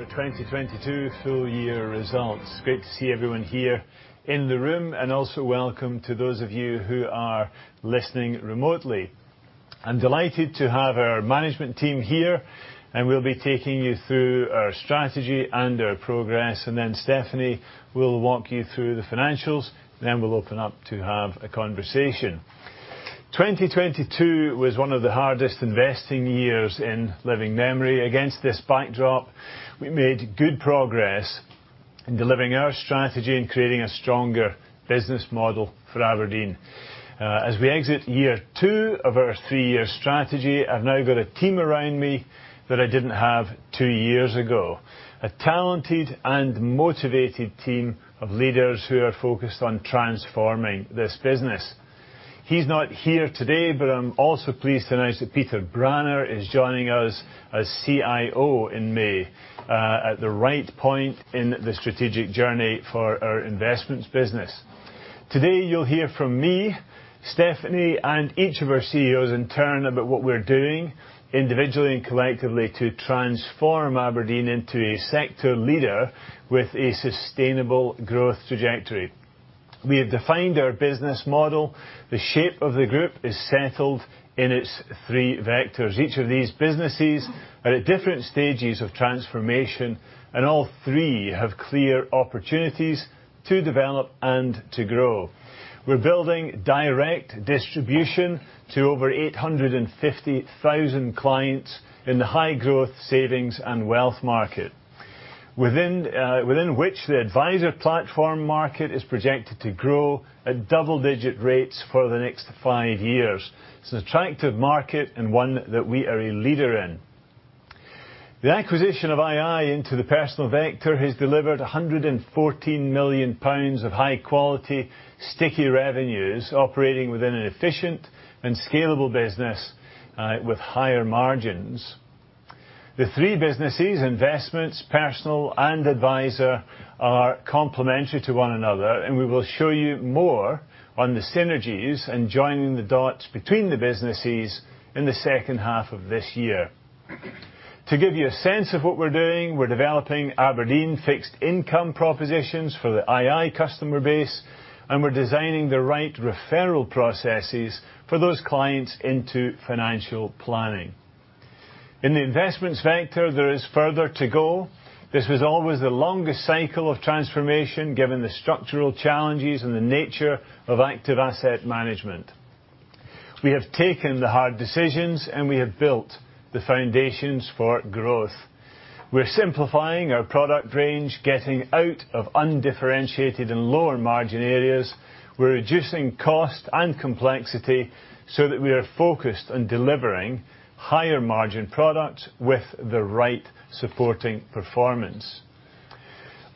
The 2022 full year results. Great to see everyone here in the room, and also welcome to those of you who are listening remotely. I'm delighted to have our management team here, and we'll be taking you through our strategy and our progress. Stephanie will walk you through the financials, then we'll open up to have a conversation. 2022 was one of the hardest investing years in living memory. Against this backdrop, we made good progress in delivering our strategy and creating a stronger business model for Aberdeen. As we exit year two of our three-year strategy, I've now got a team around me that I didn't have two years ago. A talented and motivated team of leaders who are focused on transforming this business. He's not here today, but I'm also pleased to announce that Peter Branner is joining us as CIO in May, at the right point in the strategic journey for our investments business. Today, you'll hear from me, Stephanie, and each of our CEOs in turn about what we're doing individually and collectively to transform Aberdeen into a sector leader with a sustainable growth trajectory. We have defined our business model. The shape of the group is settled in its three vectors. Each of these businesses are at different stages of transformation, and all three have clear opportunities to develop and to grow. We're building direct distribution to over 850,000 clients in the high-growth savings and wealth market. Within which the advisor platform market is projected to grow at double-digit rates for the next five years. It's an attractive market and one that we are a leader in. The acquisition of II into the personal vector has delivered 114 million pounds of high-quality, sticky revenues operating within an efficient and scalable business with higher margins. The three businesses, investments, personal, and advisor, are complementary to one another, and we will show you more on the synergies and joining the dots between the businesses in the second half of this year. To give you a sense of what we're doing, we're developing Aberdeen fixed income propositions for the II customer base, and we're designing the right referral processes for those clients into financial planning. In the investments vector, there is further to go. This was always the longest cycle of transformation, given the structural challenges and the nature of active asset management. We have taken the hard decisions. We have built the foundations for growth. We're simplifying our product range, getting out of undifferentiated and lower-margin areas. We're reducing cost and complexity so that we are focused on delivering higher-margin products with the right supporting performance.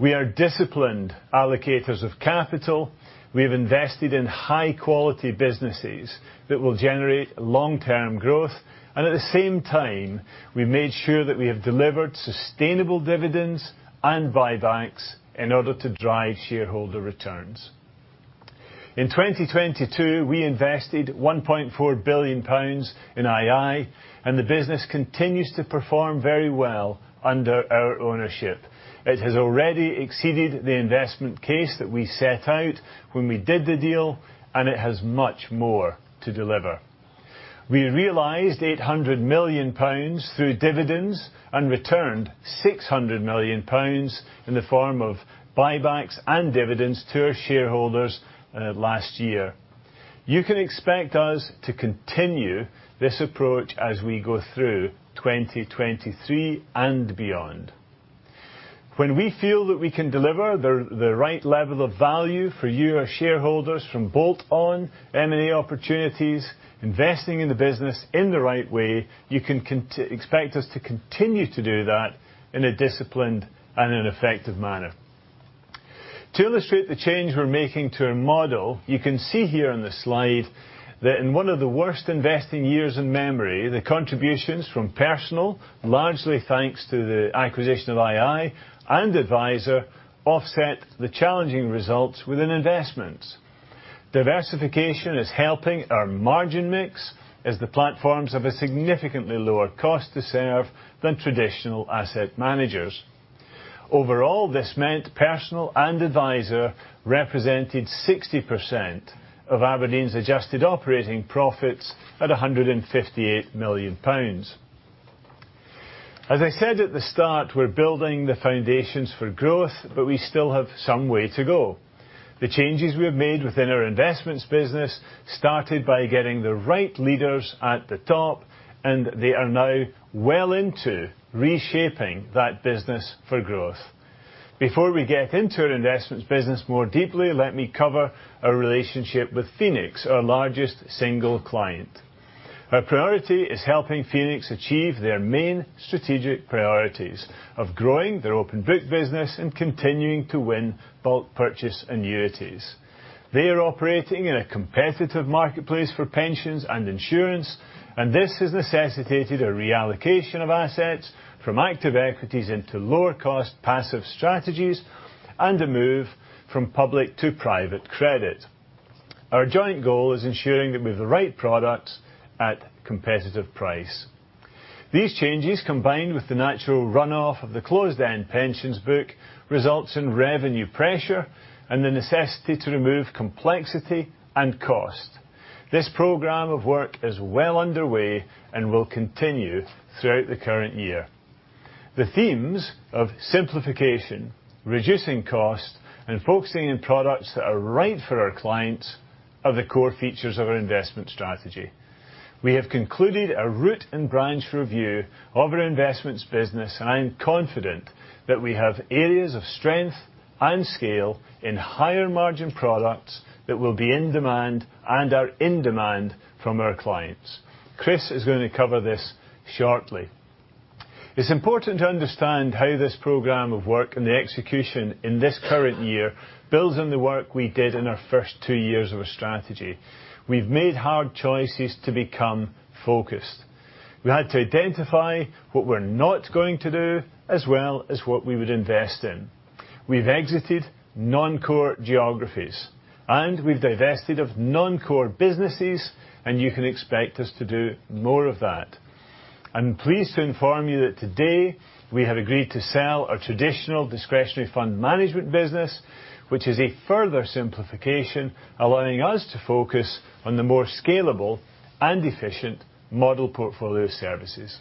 We are disciplined allocators of capital. We have invested in high-quality businesses that will generate long-term growth. At the same time, we made sure that we have delivered sustainable dividends and buybacks in order to drive shareholder returns. In 2022, we invested 1.4 billion pounds in II, and the business continues to perform very well under our ownership. It has already exceeded the investment case that we set out when we did the deal, and it has much more to deliver. We realized 800 million pounds through dividends and returned 600 million pounds in the form of buybacks and dividends to our shareholders last year. You can expect us to continue this approach as we go through 2023 and beyond. When we feel that we can deliver the right level of value for you, our shareholders from bolt-on M&A opportunities, investing in the business in the right way, you can expect us to continue to do that in a disciplined and an effective manner. To illustrate the change we're making to our model, you can see here on the slide that in one of the worst investing years in memory, the contributions from Personal, largely thanks to the acquisition of II and Advisor, offset the challenging results within investments. Diversification is helping our margin mix as the platforms have a significantly lower cost to serve than traditional asset managers. Overall, this meant Personal and Advisor represented 60% of Aberdeen's adjusted operating profits at 158 million pounds. As I said at the start, we're building the foundations for growth, but we still have some way to go. The changes we have made within our investments business started by getting the right leaders at the top, and they are now well into reshaping that business for growth. Before we get into our investments business more deeply, let me cover our relationship with Phoenix, our largest single client. Our priority is helping Phoenix achieve their main strategic priorities of growing their open book business and continuing to win bulk purchase annuities. They are operating in a competitive marketplace for pensions and insurance. This has necessitated a reallocation of assets from active equities into lower-cost passive strategies and a move from public to private credit. Our joint goal is ensuring that we have the right product at competitive price. These changes, combined with the natural runoff of the closed-end pensions book, results in revenue pressure and the necessity to remove complexity and cost. This program of work is well underway and will continue throughout the current year. The themes of simplification, reducing cost, and focusing on products that are right for our clients are the core features of our investment strategy. We have concluded a root and branch review of our investments business. I am confident that we have areas of strength and scale in higher-margin products that will be in demand and are in demand from our clients. Chris is gonna cover this shortly. It's important to understand how this program of work and the execution in this current year builds on the work we did in our first two years of our strategy. We've made hard choices to become focused. We had to identify what we're not going to do, as well as what we would invest in. We've exited non-core geographies, and we've divested of non-core businesses, and you can expect us to do more of that. I'm pleased to inform you that today we have agreed to sell our traditional discretionary fund management business, which is a further simplification, allowing us to focus on the more scalable and efficient model portfolio services.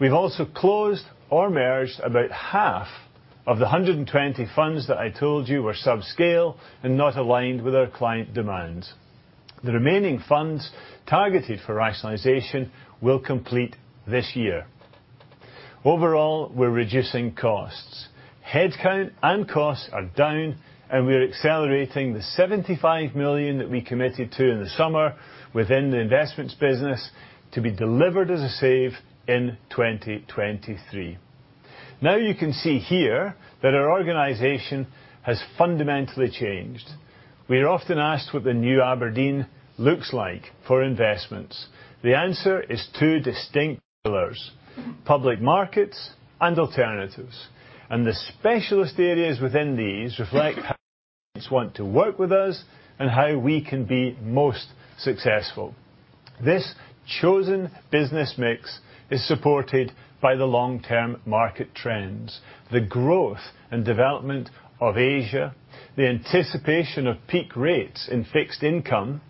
We've also closed or merged about half of the 120 funds that I told you were subscale and not aligned with our client demands. The remaining funds targeted for rationalization will complete this year. Overall, we're reducing costs. Headcount and costs are down, and we're accelerating the 75 million that we committed to in the summer within the investments business to be delivered as a save in 2023. You can see here that our organization has fundamentally changed. We are often asked what the new Aberdeen looks like for investments. The answer is two distinct pillars: public markets and alternatives. The specialist areas within these reflect how clients want to work with us and how we can be most successful. This chosen business mix is supported by the long-term market trends, the growth and development of Asia, the anticipation of peak rates in fixed income,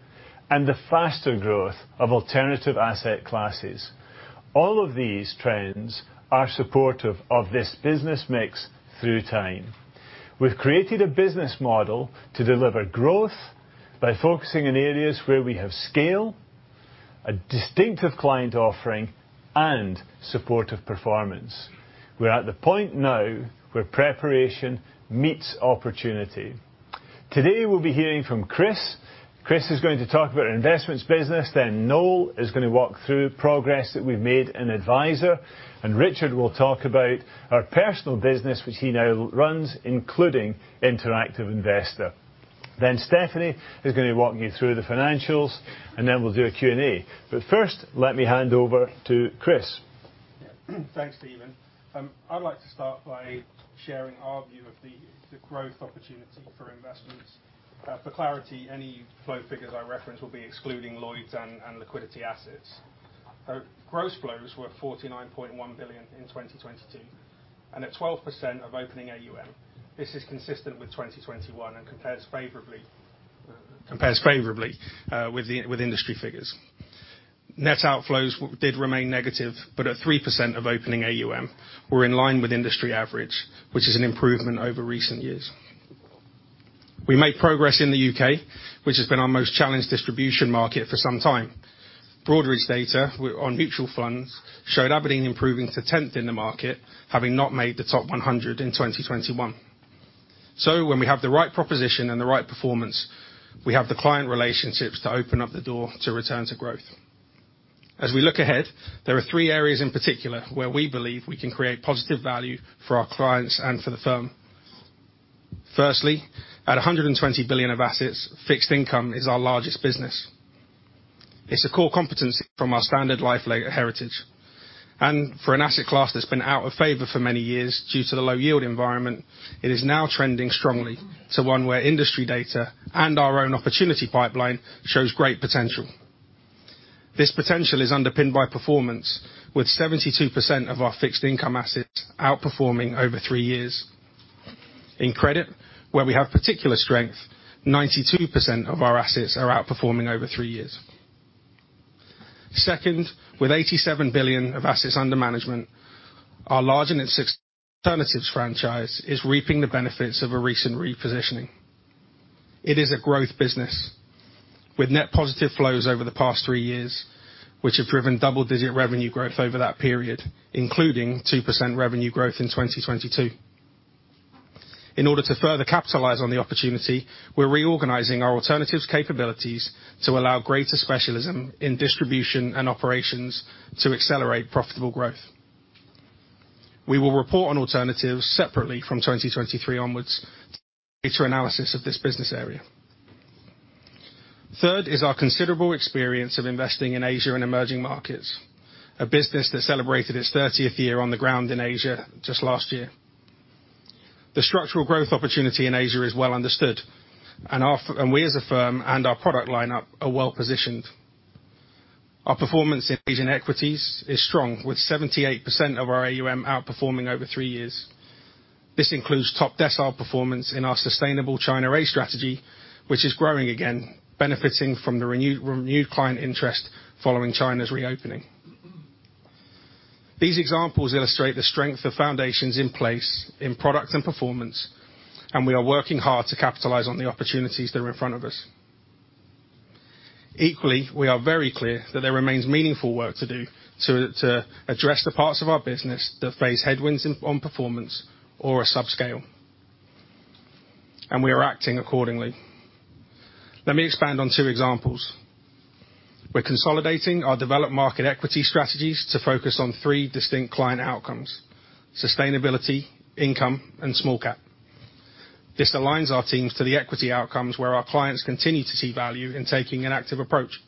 and the faster growth of alternative asset classes. All of these trends are supportive of this business mix through time. We've created a business model to deliver growth by focusing on areas where we have scale, a distinctive client offering, and supportive performance. We're at the point now where preparation meets opportunity. Today, we'll be hearing from Chris. Chris is gonna talk about our investments business, then Noel is gonna walk through progress that we've made in Advisor, and Richard will talk about our personal business, which he now runs, including Interactive Investor. Stephanie is gonna be walking you through the financials, and then we'll do a Q&A. First, let me hand over to Chris. Yeah. Thanks, Steven. I'd like to start by sharing our view of the growth opportunity for investments. For clarity, any flow figures I reference will be excluding Lloyds and liquidity assets. Our gross flows were 49.1 billion in 2022 and at 12% of opening AUM. This is consistent with 2021 and compares favorably with industry figures. Net outflows did remain negative, but at 3% of opening AUM, we're in line with industry average, which is an improvement over recent years. We made progress in the U.K., which has been our most challenged distribution market for some time. Broadridge data on mutual funds showed Aberdeen improving to 10th in the market, having not made the top 100 in 2021. When we have the right proposition and the right performance, we have the client relationships to open up the door to return to growth. As we look ahead, there are three areas in particular where we believe we can create positive value for our clients and for the firm. Firstly, at 120 billion of assets, fixed income is our largest business. It's a core competency from our Standard Life Heritage. For an asset class that's been out of favor for many years due to the low yield environment, it is now trending strongly to one where industry data and our own opportunity pipeline shows great potential. This potential is underpinned by performance with 72% of our fixed income assets outperforming over three years. In credit, where we have particular strength, 92% of our assets are outperforming over three years. Second, with 87 billion of Assets Under Management, our large and successful alternatives franchise is reaping the benefits of a recent repositioning. It is a growth business with net positive flows over the past three years, which have driven double-digit revenue growth over that period, including 2% revenue growth in 2022. In order to further capitalize on the opportunity, we're reorganizing our alternatives capabilities to allow greater specialism in distribution and operations to accelerate profitable growth. We will report on alternatives separately from 2023 onwards to aid analysis of this business area. Third is our considerable experience of investing in Asia and emerging markets. A business that celebrated its 30th year on the ground in Asia just last year. The structural growth opportunity in Asia is well understood, and we as a firm and our product line-up are well positioned. Our performance in Asian equities is strong, with 78% of our AUM outperforming over three years. This includes top decile performance in our sustainable China rate strategy, which is growing again, benefiting from the renewed client interest following China's reopening. These examples illustrate the strength of foundations in place in products and performance, and we are working hard to capitalize on the opportunities that are in front of us. Equally, we are very clear that there remains meaningful work to do to address the parts of our business that face headwinds on performance or are subscale. We are acting accordingly. Let me expand on two examples. We're consolidating our developed market equity strategies to focus on three distinct client outcomes: sustainability, income, and small cap. This aligns our teams to the equity outcomes where our clients continue to see value in taking an active approach.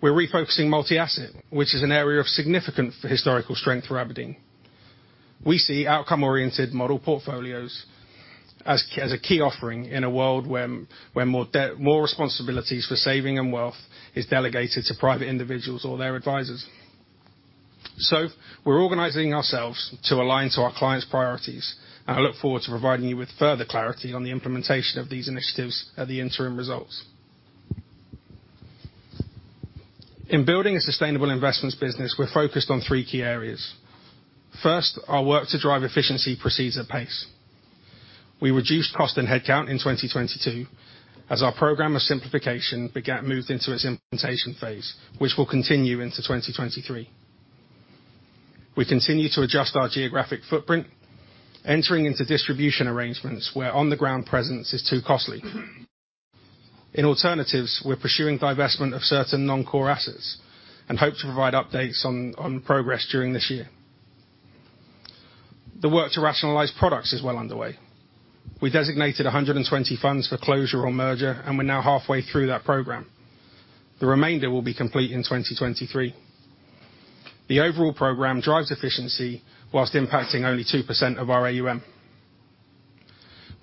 We're refocusing multi-asset, which is an area of significant historical strength for Aberdeen. We see outcome-oriented model portfolios as a key offering in a world when more responsibilities for saving and wealth is delegated to private individuals or their advisors. We're organizing ourselves to align to our clients' priorities, and I look forward to providing you with further clarity on the implementation of these initiatives at the interim results. In building a sustainable investments business, we're focused on three key areas. First, our work to drive efficiency proceeds at pace. We reduced cost and headcount in 2022 as our program of simplification began, moved into its implementation phase, which will continue into 2023. We continue to adjust our geographic footprint, entering into distribution arrangements where on-the-ground presence is too costly. In alternatives, we're pursuing divestment of certain non-core assets and hope to provide updates on progress during this year. The work to rationalize products is well underway. We designated 120 funds for closure or merger, and we're now halfway through that program. The remainder will be complete in 2023. The overall program drives efficiency whilst impacting only 2% of our AUM.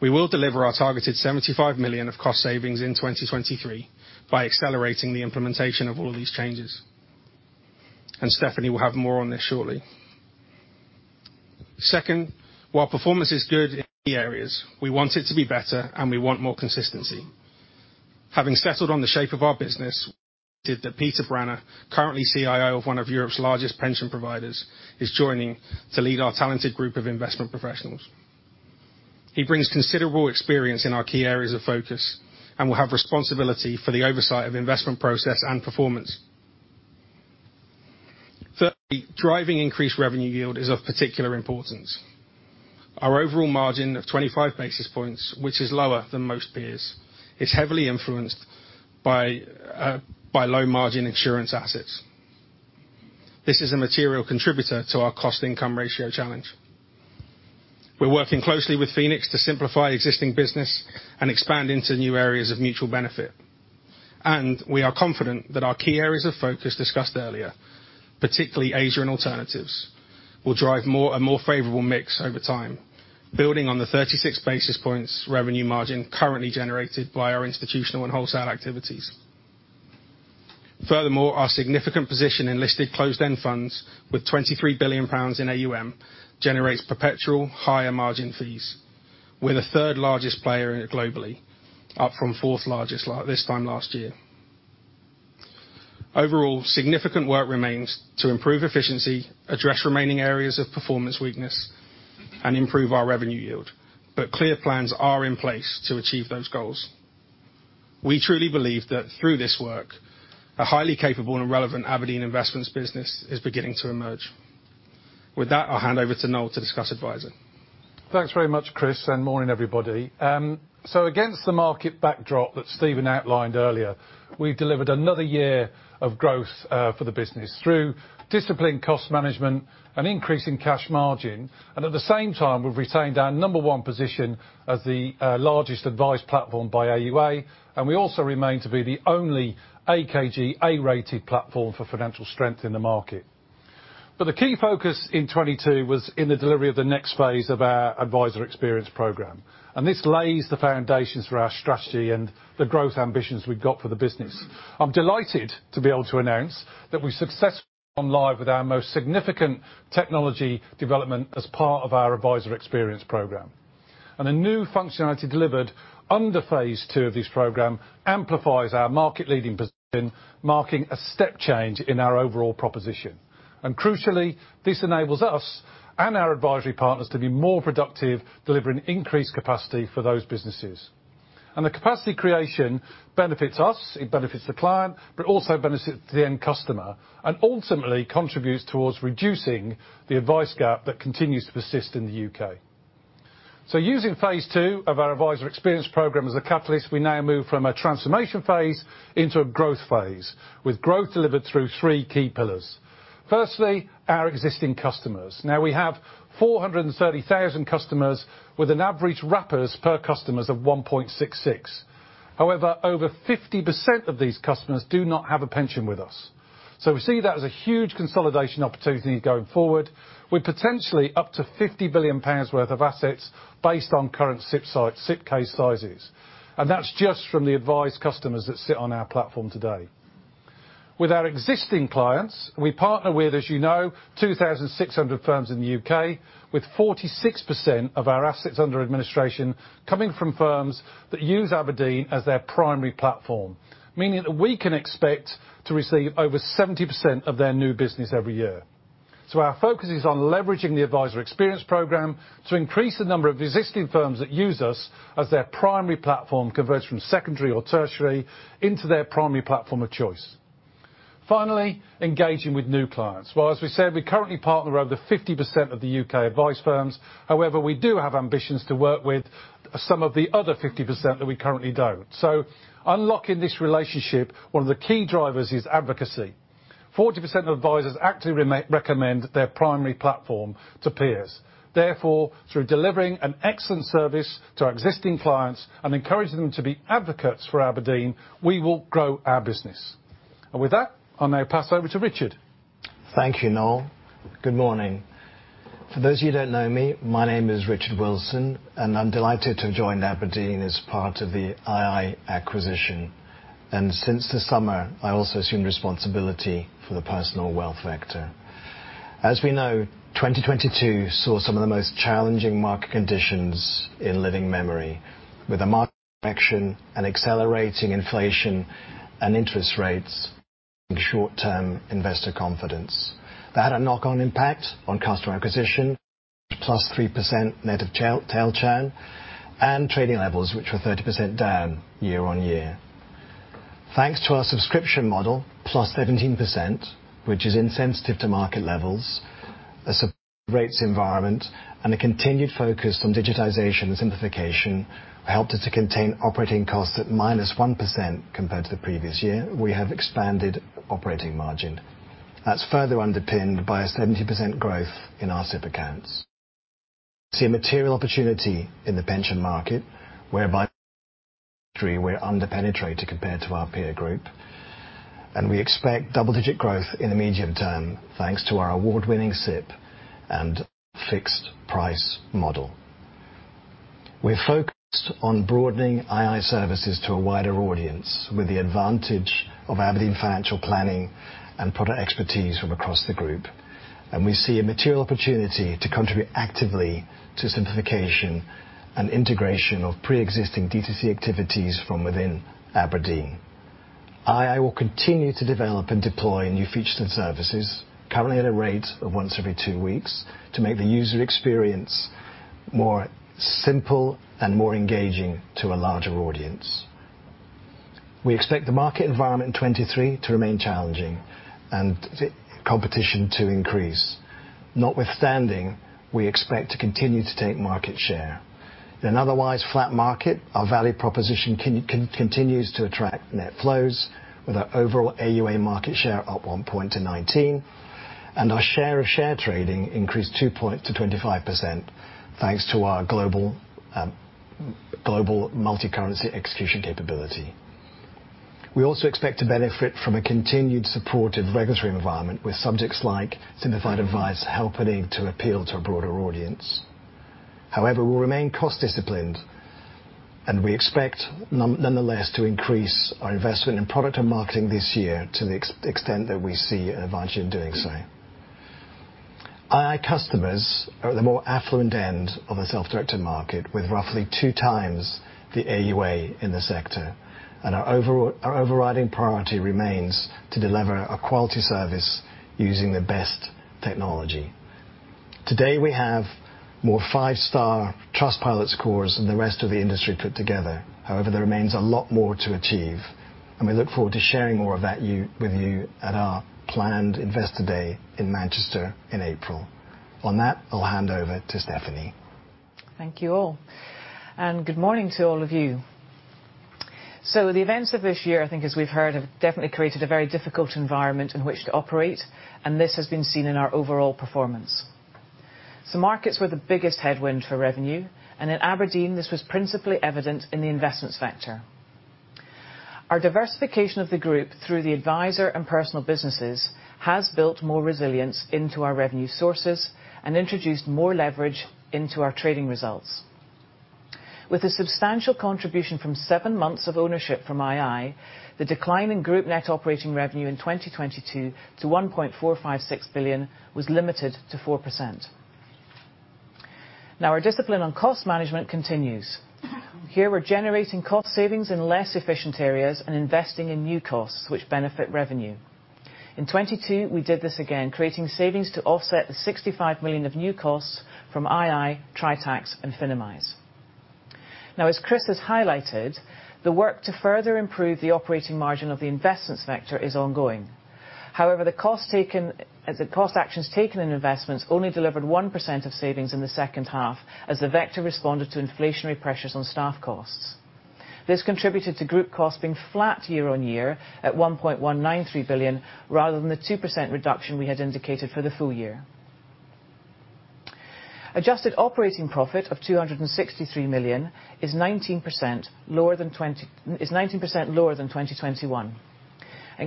We will deliver our targeted 75 million of cost savings in 2023 by accelerating the implementation of all of these changes. Stephanie will have more on this shortly. Second, while performance is good in key areas, we want it to be better, and we want more consistency. Having settled on the shape of our business, we're delighted that Peter Branner, currently CIO of one of Europe's largest pension providers, is joining to lead our talented group of investment professionals. He brings considerable experience in our key areas of focus and will have responsibility for the oversight of investment process and performance. Thirdly, driving increased revenue yield is of particular importance. Our overall margin of 25 basis points, which is lower than most peers, is heavily influenced by low-margin insurance assets. This is a material contributor to our cost-income ratio challenge. We're working closely with Phoenix to simplify existing business and expand into new areas of mutual benefit. We are confident that our key areas of focus discussed earlier, particularly Asia and alternatives, will drive a more favorable mix over time, building on the 36 basis points revenue margin currently generated by our institutional and wholesale activities. Furthermore, our significant position in listed closed-end funds with 23 billion pounds in AUM generates perpetual higher-margin fees. We're the third-largest player globally, up from fourth-largest this time last year. Overall, significant work remains to improve efficiency, address remaining areas of performance weakness, and improve our revenue yield. Clear plans are in place to achieve those goals. We truly believe that through this work, a highly capable and relevant Aberdeen Investments business is beginning to emerge. With that, I'll hand over to Noel to discuss advisory. Thanks very much, Chris, morning, everybody. Against the market backdrop that Steven outlined earlier, we delivered another year of growth for the business through disciplined cost management and increase in cash margin. At the same time, we've retained our number one position as the largest advice platform by AUA, and we also remain to be the only AKG A-rated platform for financial strength in the market. The key focus in 2022 was in the delivery of the next phase of our advisor experience program. This lays the foundations for our strategy and the growth ambitions we've got for the business. I'm delighted to be able to announce that we've successfully gone live with our most significant technology development as part of our advisor experience program. The new functionality delivered under phase two of this program amplifies our market-leading position, marking a step change in our overall proposition. Crucially, this enables us and our advisory partners to be more productive, delivering increased capacity for those businesses. The capacity creation benefits us, it benefits the client, but also benefits the end customer and ultimately contributes towards reducing the advice gap that continues to persist in the U.K.. Using phase two of our advisor experience program as a catalyst, we now move from a transformation phase into a growth phase, with growth delivered through three key pillars. Firstly, our existing customers. Now, we have 430,000 customers with an average wrappers per customers of 1.66. However, over 50% of these customers do not have a pension with us. We see that as a huge consolidation opportunity going forward, with potentially up to 50 billion pounds worth of assets based on current SIPP case sizes. That's just from the advised customers that sit on our platform today. With our existing clients, we partner with, as you know, 2,600 firms in the U.K., with 46% of our Assets Under Administration coming from firms that use Aberdeen as their primary platform, meaning that we can expect to receive over 70% of their new business every year. Our focus is on leveraging the advisor experience program to increase the number of existing firms that use us as their primary platform, converts from secondary or tertiary into their primary platform of choice. Finally, engaging with new clients. As we said, we currently partner over 50% of the U.K. advice firms. However, we do have ambitions to work with some of the other 50% that we currently don't. Unlocking this relationship, one of the key drivers is advocacy. 40% of advisors actively make-recommend their primary platform to peers. Therefore, through delivering an excellent service to our existing clients and encouraging them to be advocates for Aberdeen, we will grow our business. With that, I now pass over to Richard. Thank you, Noel. Good morning. For those of you who don't know me, my name is Richard Wilson. I'm delighted to have joined Aberdeen as part of the II acquisition. Since this summer, I also assumed responsibility for the personal wealth vector. As we know, 2022 saw some of the most challenging market conditions in living memory. With a market correction and accelerating inflation and interest rates, short-term investor confidence. That had a knock-on impact on customer acquisition, +3% net of tail churn, and trading levels, which were 30% down year-on-year. Thanks to our subscription model, +17%, which is insensitive to market levels, a rates environment and a continued focus on digitization and simplification helped us to contain operating costs at -1% compared to the previous year. We have expanded operating margin. That's further underpinned by a 70% growth in our SIPP accounts. See a material opportunity in the pension market, whereby we're under-penetrated compared to our peer group, and we expect double-digit growth in the medium term, thanks to our award-winning SIPP and fixed price model. We're focused on broadening II services to a wider audience with the advantage of Aberdeen financial planning and product expertise from across the group. We see a material opportunity to contribute actively to simplification and integration of pre-existing DTC activities from within Aberdeen. II will continue to develop and deploy new features and services, currently at a rate of once every two weeks, to make the user experience more simple and more engaging to a larger audience. We expect the market environment in 2023 to remain challenging and competition to increase. Notwithstanding, we expect to continue to take market share. In an otherwise flat market, our value proposition continues to attract net flows with our overall AUA market share up one point to 19, and our share of share trading increased two point to 25%, thanks to our global multi-currency execution capability. We also expect to benefit from a continued supportive regulatory environment, with subjects like simplified advice helping to appeal to a broader audience. However, we'll remain cost-disciplined, and we expect nonetheless to increase our investment in product and marketing this year to the extent that we see an advantage in doing so. II customers are at the more affluent end of the self-directed market with roughly 2x the AUA in the sector, and our overriding priority remains to deliver a quality service using the best technology. Today, we have more five-star Trustpilot scores than the rest of the industry put together. However, there remains a lot more to achieve, and we look forward to sharing more of that with you at our planned Investor Day in Manchester in April. On that, I'll hand over to Stephanie. Thank you all. Good morning to all of you. The events of this year, I think as we've heard, have definitely created a very difficult environment in which to operate, and this has been seen in our overall performance. Markets were the biggest headwind for revenue, and at Aberdeen, this was principally evident in the investments vector. Our diversification of the group through the advisor and personal businesses has built more resilience into our revenue sources and introduced more leverage into our trading results. With a substantial contribution from seven months of ownership from II, the decline in group net operating revenue in 2022 to 1.456 billion was limited to 4%. Our discipline on cost management continues. Here, we're generating cost savings in less efficient areas and investing in new costs which benefit revenue. In 2022, we did this again, creating savings to offset the 65 million of new costs from II, Tritax and Finimize. Now, as Chris has highlighted, the work to further improve the operating margin of the investments vector is ongoing. However, the cost actions taken in investments only delivered 1% of savings in the second half as the vector responded to inflationary pressures on staff costs. This contributed to group costs being flat year-over-year at 1.193 billion, rather than the 2% reduction we had indicated for the full year. Adjusted operating profit of 263 million is 19% lower than 2021,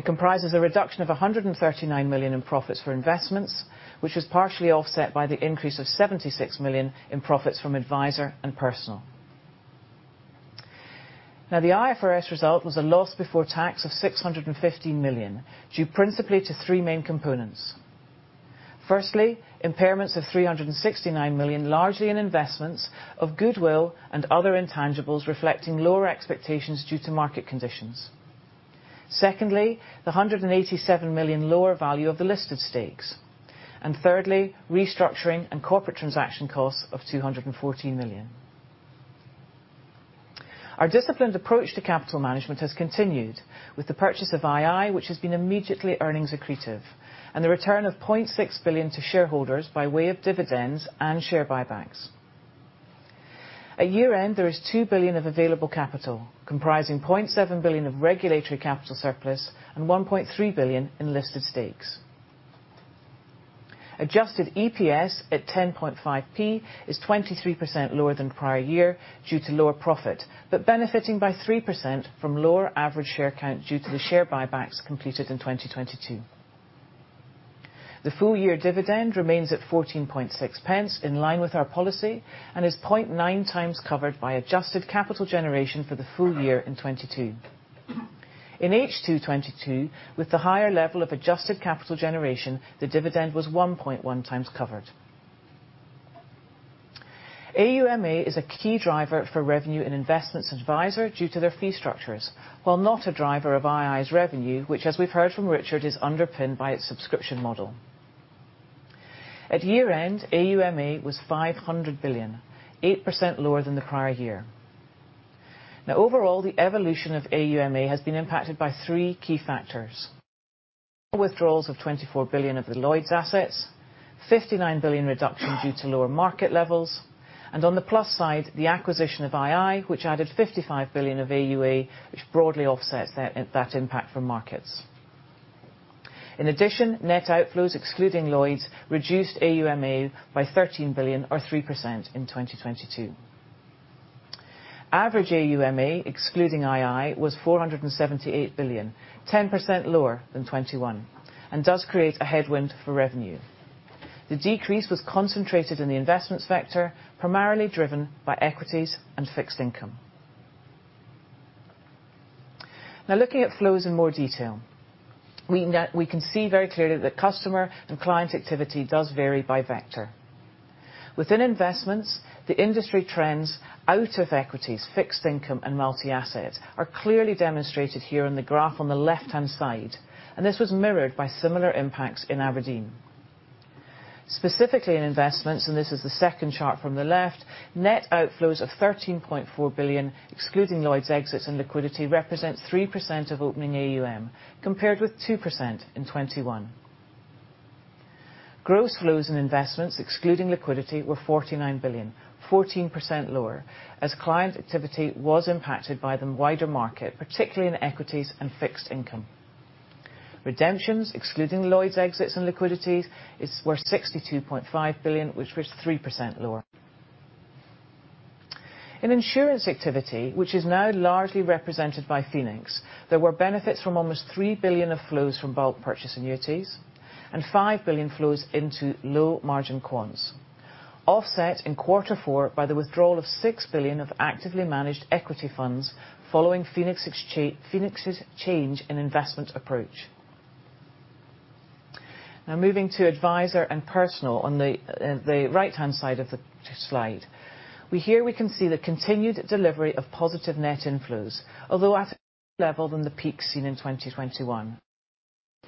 comprises a reduction of 139 million in profits for investments, which was partially offset by the increase of 76 million in profits from advisor and personal. The IFRS result was a loss before tax of 650 million, due principally to three main components. Firstly, impairments of 369 million, largely in investments of goodwill and other intangibles reflecting lower expectations due to market conditions. Secondly, the 187 million lower value of the listed stakes. Thirdly, restructuring and corporate transaction costs of 214 million. Our disciplined approach to capital management has continued with the purchase of II, which has been immediately earnings accretive, and the return of 0.6 billion to shareholders by way of dividends and share buybacks. At year-end, there is 2 billion of available capital, comprising 0.7 billion of regulatory capital surplus and 1.3 billion in listed stakes. Adjusted EPS at 0.105 is 23% lower than prior year due to lower profit, but benefiting by 3% from lower average share count due to the share buybacks completed in 2022. The full year dividend remains at 0.146, in line with our policy, and is 0.9x covered by adjusted capital generation for the full year in 2022. In H2 2022, with the higher level of adjusted capital generation, the dividend was 1.1x covered. AUMA is a key driver for revenue and investment advisor due to their fee structures, while not a driver of II's revenue, which as we've heard from Richard, is underpinned by its subscription model. At year-end, AUMA was 500 billion, 8% lower than the prior year. Overall, the evolution of AUMA has been impacted by three key factors. Withdrawals of 24 billion of the Lloyds assets, 59 billion reduction due to lower market levels, and on the plus side, the acquisition of II, which added 55 billion of AUE, which broadly offsets that impact from markets. In addition, net outflows excluding Lloyds reduced AUMA by 13 billion or 3% in 2022. Average AUMA excluding II was 478 billion, 10% lower than 2021, and does create a headwind for revenue. The decrease was concentrated in the investments vector, primarily driven by equities and fixed income. Looking at flows in more detail, we can see very clearly that customer and client activity does vary by vector. Within investments, the industry trends out of equities, fixed income, and multi-asset are clearly demonstrated here in the graph on the left-hand side, and this was mirrored by similar impacts in Aberdeen. Specifically in investments, this is the second chart from the left, net outflows of 13.4 billion, excluding Lloyds exits and liquidity, represents 3% of opening AUM, compared with 2% in 2021. Gross flows in investments excluding liquidity were 49 billion, 14% lower, as client activity was impacted by the wider market, particularly in equities and fixed income. Redemptions, excluding Lloyds exits and liquidities, were 62.5 billion, which was 3% lower. In insurance activity, which is now largely represented by Phoenix, there were benefits from almost 3 billion of flows from bulk purchase annuities and 5 billion flows into low-margin quants, offset in quarter four by the withdrawal of 6 billion of actively managed equity funds following Phoenix's change in investment approach. Now moving to advisor and personal on the right-hand side of the slide. Here we can see the continued delivery of positive net inflows, although at a level than the peak seen in 2021.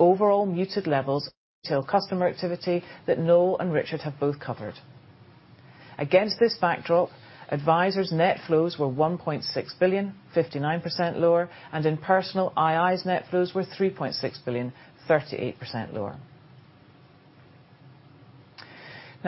Overall muted levels to customer activity that Noel and Richard have both covered. Against this backdrop, advisors' net flows were 1.6 billion, 59% lower, and in personal, II's net flows were 3.6 billion, 38% lower.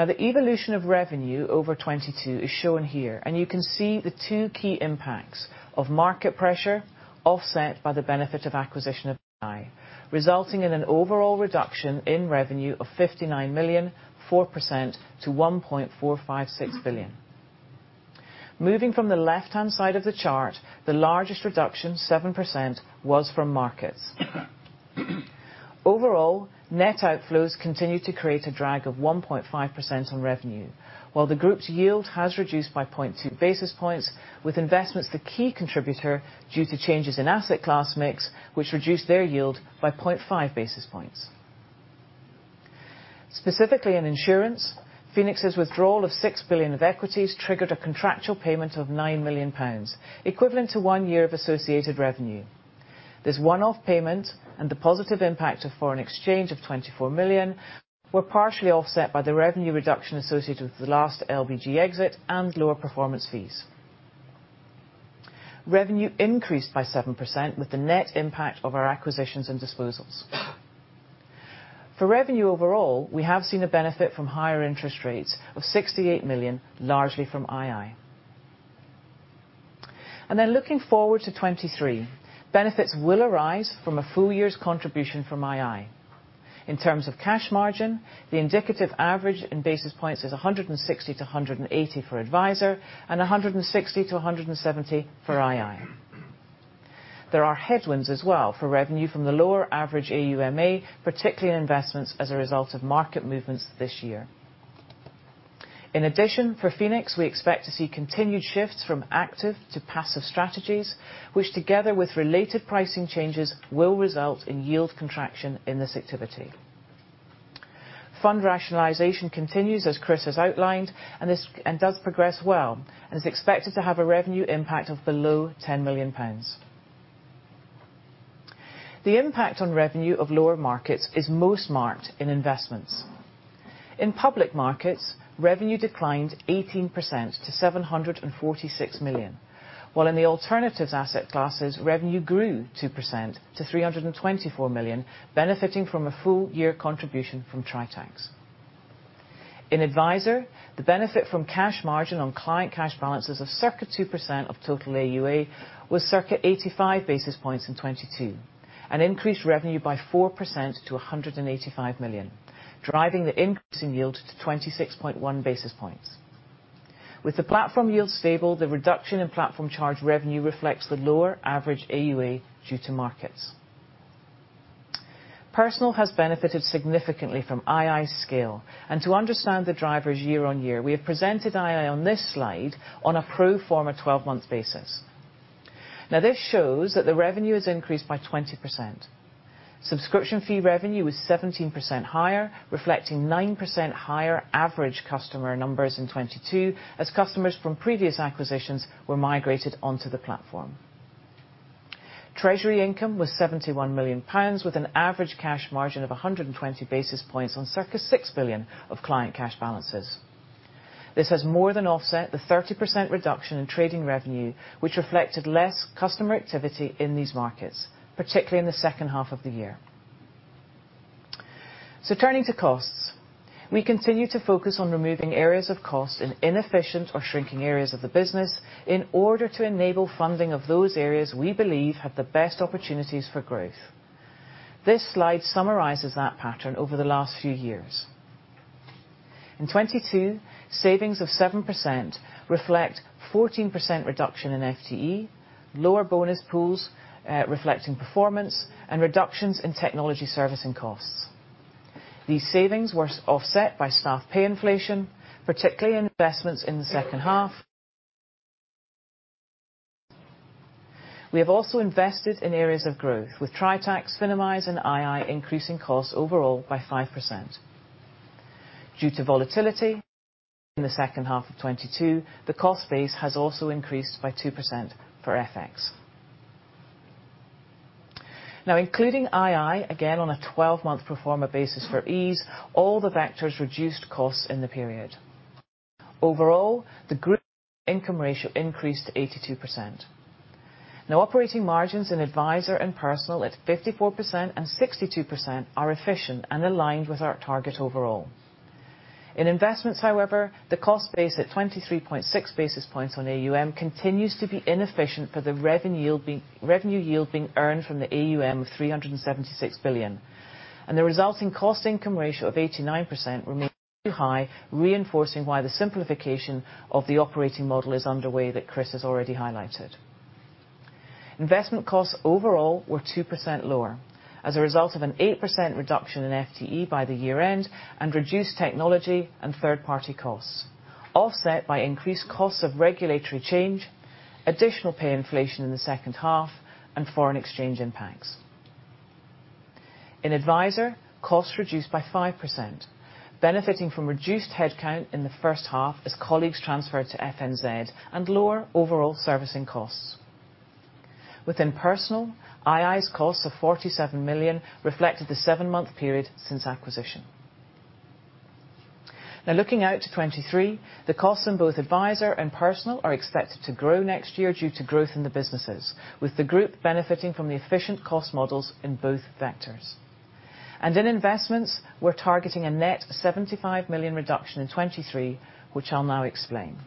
The evolution of revenue over 2022 is shown here, and you can see the two key impacts of market pressure offset by the benefit of acquisition of II, resulting in an overall reduction in revenue of 59 million, 4% to 1.456 billion. Moving from the left-hand side of the chart, the largest reduction, 7%, was from markets. Overall, net outflows continued to create a drag of 1.5% on revenue, while the group's yield has reduced by 0.2 basis points, with investments the key contributor due to changes in asset class mix, which reduced their yield by 0.5 basis points. Specifically in insurance, Phoenix's withdrawal of 6 billion of equities triggered a contractual payment of 9 million pounds, equivalent to one year of associated revenue. This one-off payment and the positive impact of foreign exchange of 24 million were partially offset by the revenue reduction associated with the last LBG exit and lower performance fees. Revenue increased by 7% with the net impact of our acquisitions and disposals. For revenue overall, we have seen a benefit from higher interest rates of 68 million, largely from II. Looking forward to 2023, benefits will arise from a full year's contribution from II. In terms of cash margin, the indicative average in basis points is 160-180 for advisor and 160-170 for II. There are headwinds as well for revenue from the lower average AUMA, particularly in investments as a result of market movements this year. In addition, for Phoenix, we expect to see continued shifts from active to passive strategies, which together with related pricing changes, will result in yield contraction in this activity. Fund rationalization continues, as Chris has outlined, and this and does progress well. Is expected to have a revenue impact of below 10 million pounds. The impact on revenue of lower markets is most marked in investments. In public markets, revenue declined 18% to 746 million, while in the alternatives asset classes, revenue grew 2% to 324 million, benefiting from a full-year contribution from Tritax. In Advisor, the benefit from cash margin on client cash balances of circa 2% of total AUA was circa 85 basis points in 2022, and increased revenue by 4% to 185 million, driving the increase in yield to 26.1 basis points. With the platform yield stable, the reduction in platform charge revenue reflects the lower average AUA due to markets. Personal has benefited significantly from II's scale. To understand the drivers year-on-year, we have presented II on this slide on a pro forma 12-month basis. This shows that the revenue has increased by 20%. Subscription fee revenue was 17% higher, reflecting 9% higher average customer numbers in 2022, as customers from previous acquisitions were migrated onto the platform. Treasury income was 71 million pounds, with an average cash margin of 120 basis points on circa 6 billion of client cash balances. This has more than offset the 30% reduction in trading revenue, which reflected less customer activity in these markets, particularly in the second half of the year. Turning to costs. We continue to focus on removing areas of cost in inefficient or shrinking areas of the business in order to enable funding of those areas we believe have the best opportunities for growth. This slide summarizes that pattern over the last few years. In 2022, savings of 7% reflect 14% reduction in FTE, lower bonus pools, reflecting performance, and reductions in technology servicing costs. These savings were offset by staff pay inflation, particularly investments in the second half. We have also invested in areas of growth with Tritax, Finimize, and II increasing costs overall by 5%. Due to volatility in the second half of 2022, the cost base has also increased by 2% for FX. Including II, again, on a 12-month pro forma basis for ease, all the vectors reduced costs in the period. Overall, the group income ratio increased to 82%. Operating margins in Advisor and Personal at 54% and 62% are efficient and aligned with our target overall. In investments, however, the cost base at 23.6 basis points on AUM continues to be inefficient for the revenue yield being earned from the AUM of 376 billion. The resulting cost-income ratio of 89% remains too high, reinforcing why the simplification of the operating model is underway that Chris has already highlighted. Investment costs overall were 2% lower as a result of an 8% reduction in FTE by the year end and reduced technology and third-party costs, offset by increased costs of regulatory change, additional pay inflation in the second half, and foreign exchange impacts. In Advisor, costs reduced by 5%, benefiting from reduced headcount in the first half as colleagues transferred to FNZ and lower overall servicing costs. Within Personal, II's costs of 47 million reflected the seven-month period since acquisition. Looking out to 2023, the costs in both Advisor and Personal are expected to grow next year due to growth in the businesses, with the group benefiting from the efficient cost models in both vectors. In investments, we're targeting a net 75 million reduction in 2023, which I'll now explain.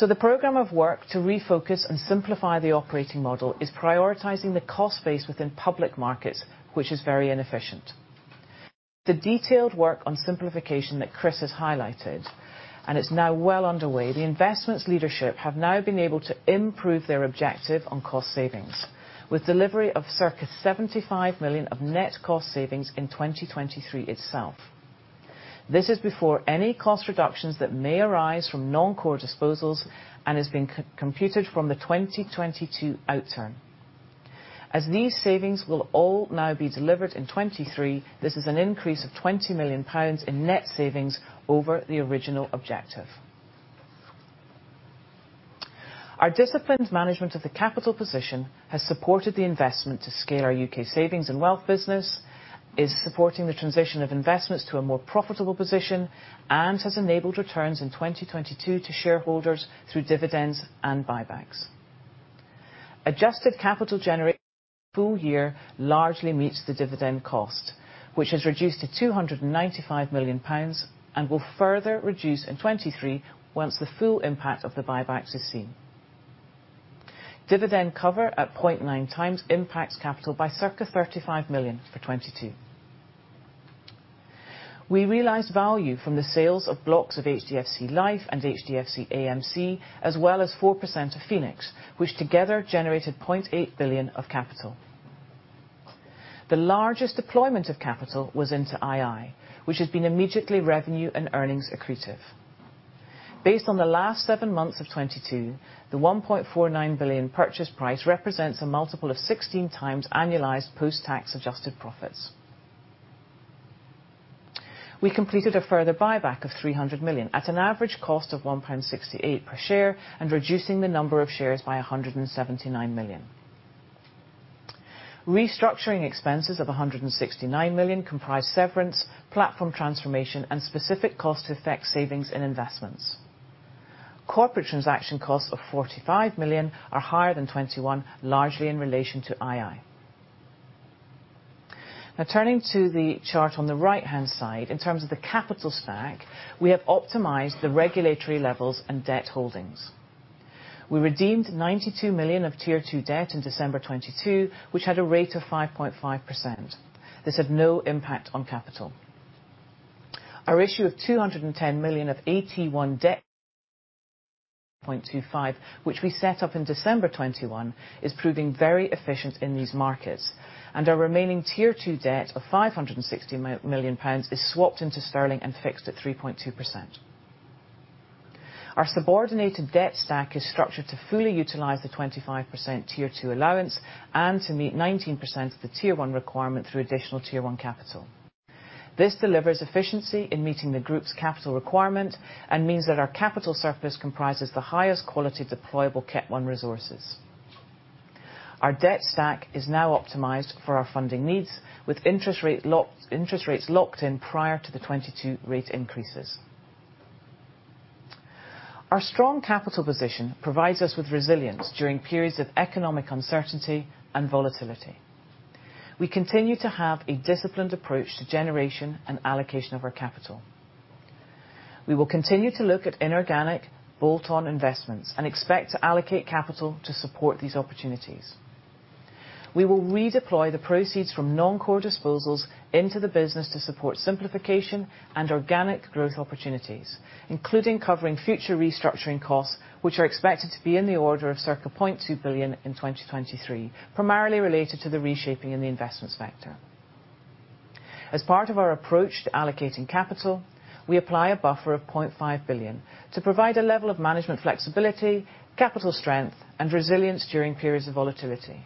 The program of work to refocus and simplify the operating model is prioritizing the cost base within public markets, which is very inefficient. The detailed work on simplification that Chris has highlighted, and it's now well underway, the investments leadership have now been able to improve their objective on cost savings with delivery of circa 75 million of net cost savings in 2023 itself. This is before any cost reductions that may arise from non-core disposals and is being computed from the 2022 outturn. As these savings will all now be delivered in 2023, this is an increase of 20 million pounds in net savings over the original objective. Our disciplined management of the capital position has supported the investment to scale our U.K. savings and wealth business, is supporting the transition of investments to a more profitable position, and has enabled returns in 2022 to shareholders through dividends and buybacks. Adjusted capital generation for the full year largely meets the dividend cost, which has reduced to 295 million pounds and will further reduce in 2023 once the full impact of the buybacks is seen. Dividend cover at 0.9x impacts capital by circa 35 million for 2022. We realized value from the sales of blocks of HDFC Life and HDFC AMC, as well as 4% of Phoenix, which together generated 0.8 billion of capital. The largest deployment of capital was into II, which has been immediately revenue and earnings accretive. Based on the last seven months of 2022, the 1.49 billion purchase price represents a multiple of 16x annualized post-tax adjusted profits. We completed a further buyback of 300 million at an average cost of 1.68 pound per share and reducing the number of shares by 179 million. Restructuring expenses of 169 million comprise severance, platform transformation, and specific cost effect savings and investments. Corporate transaction costs of 45 million are higher than 2021, largely in relation to II. Now, turning to the chart on the right-hand side, in terms of the capital stack, we have optimized the regulatory levels and debt holdings. We redeemed 92 million of Tier 2 debt in December 2022, which had a rate of 5.5%. This had no impact on capital. Our issue of 210 million of AT1 debt 0.25, which we set up in December 2021, is proving very efficient in these markets, and our remaining Tier 2 debt of 560 million pounds is swapped into sterling and fixed at 3.2%. Our subordinated debt stack is structured to fully utilize the 25% Tier 2 allowance and to meet 19% of the Tier 1 requirement through Additional Tier 1 capital. This delivers efficiency in meeting the group's capital requirement and means that our capital surplus comprises the highest quality deployable CET1 resources. Our debt stack is now optimized for our funding needs, with interest rates locked in prior to the 2022 rate increases. Our strong capital position provides us with resilience during periods of economic uncertainty and volatility. We continue to have a disciplined approach to generation and allocation of our capital. We will continue to look at inorganic bolt-on investments and expect to allocate capital to support these opportunities. We will redeploy the proceeds from non-core disposals into the business to support simplification and organic growth opportunities, including covering future restructuring costs, which are expected to be in the order of circa 0.2 billion in 2023, primarily related to the reshaping in the investment sector. As part of our approach to allocating capital, we apply a buffer of 0.5 billion to provide a level of management flexibility, capital strength, and resilience during periods of volatility.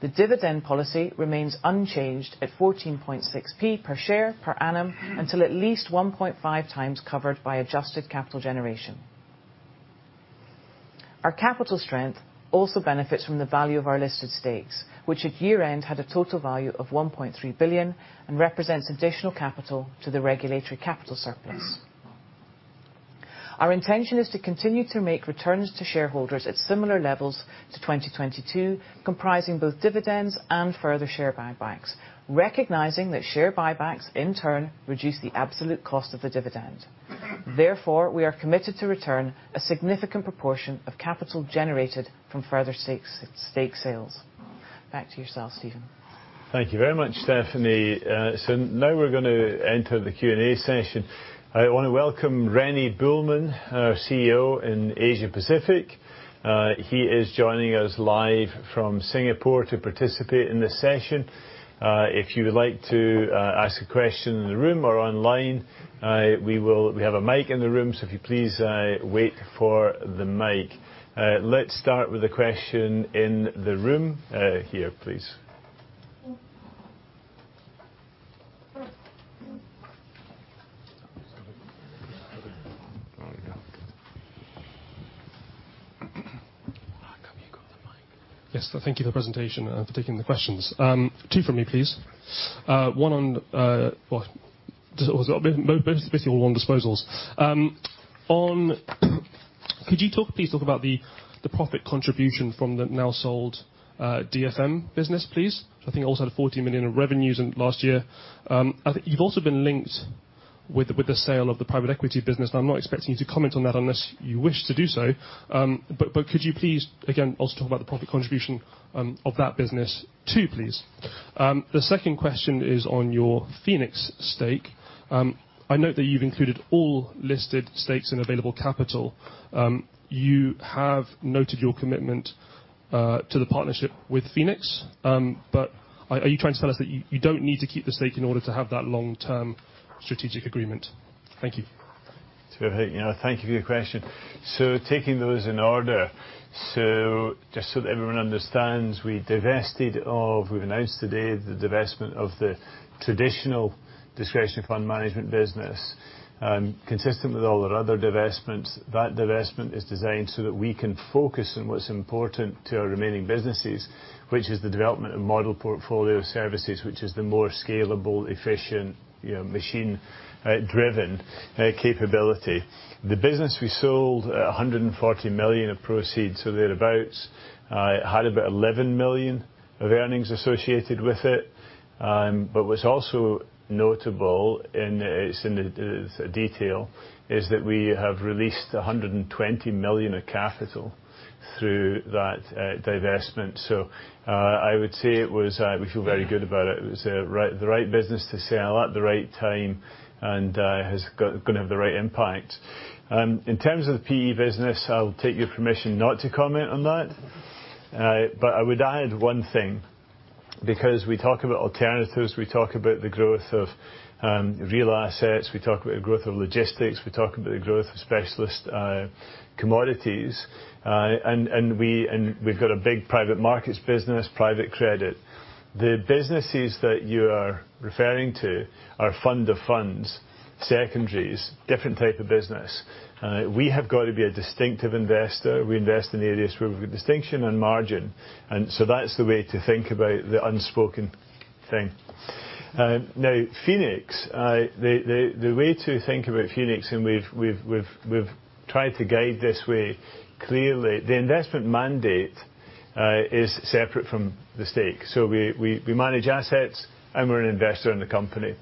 The dividend policy remains unchanged at 14.6p per share per annum until at least 1.5x covered by adjusted capital generation. Our capital strength also benefits from the value of our listed stakes, which at year-end had a total value of 1.3 billion and represents additional capital to the regulatory capital surplus. Our intention is to continue to make returns to shareholders at similar levels to 2022, comprising both dividends and further share buybacks. Recognizing that share buybacks in turn reduce the absolute cost of the dividend. We are committed to return a significant proportion of capital generated from further stakes, stake sales. Back to yourself, Steven. Thank you very much, Stephanie. Now we're gonna enter the Q&A session. I wanna welcome René Buehlmann, our CEO in Asia Pacific. He is joining us live from Singapore to participate in this session. If you would like to ask a question in the room or online, we have a mic in the room, so if you please wait for the mic. Let's start with a question in the room. Here, please. How come you got the mic? Yes. Thank you for the presentation and taking the questions. Two for me, please. One on, well, just basically all on disposals. Could you talk, please talk about the profit contribution from the now sold DFM business, please? I think it also had 40 million in revenues in last year. I think you've also been linked with the sale of the private equity business. I'm not expecting you to comment on that unless you wish to do so. Could you please, again, also talk about the profit contribution of that business too, please? The second question is on your Phoenix stake. I note that you've included all listed stakes in available capital. You have noted your commitment to the partnership with Phoenix. Are you trying to tell us that you don't need to keep the stake in order to have that long-term strategic agreement? Thank you. You know, thank you for your question. Taking those in order. Just so that everyone understands, we've announced today the divestment of the traditional discretionary fund management business. Consistent with all our other divestments, that divestment is designed so that we can focus on what's important to our remaining businesses, which is the development of model portfolio services, which is the more scalable, efficient, you know, machine driven capability. The business we sold, 140 million of proceeds. Thereabouts, it had about 11 million of earnings associated with it. What's also notable, and it's in the detail, is that we have released 120 million of capital through that divestment. I would say it was, we feel very good about it. It was the right, the right business to sell at the right time, and has got, gonna have the right impact. In terms of the PE business, I'll take your permission not to comment on that. I would add one thing. Because we talk about alternatives, we talk about the growth of real assets, we talk about the growth of logistics, we talk about the growth of specialist commodities. We've got a big private markets business, private credit. The businesses that you are referring to are fund to funds, secondaries, different type of business. We have got to be a distinctive investor. We invest in areas where we've got distinction and margin. That's the way to think about the unspoken thing. Now Phoenix, the way to think about Phoenix, and we've tried to guide this way clearly, the investment mandate is separate from the stake. We manage assets, and we're an investor in the company.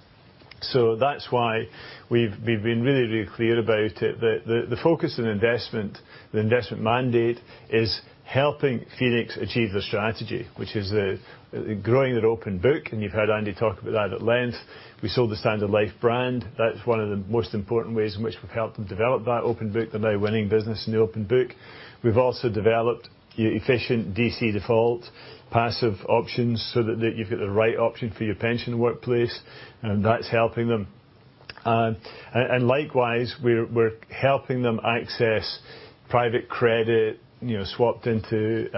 That's why we've been really clear about it. The focus on investment, the investment mandate is helping Phoenix achieve the strategy, which is growing their open book, and you've heard Andy talk about that at length. We sold the Standard Life brand. That's one of the most important ways in which we've helped them develop that open book. They're now a winning business in the open book. We've also developed efficient DC default passive options so that you've got the right option for your pension workplace, and that's helping them. Likewise, we're helping them access private credit, you know, swapped into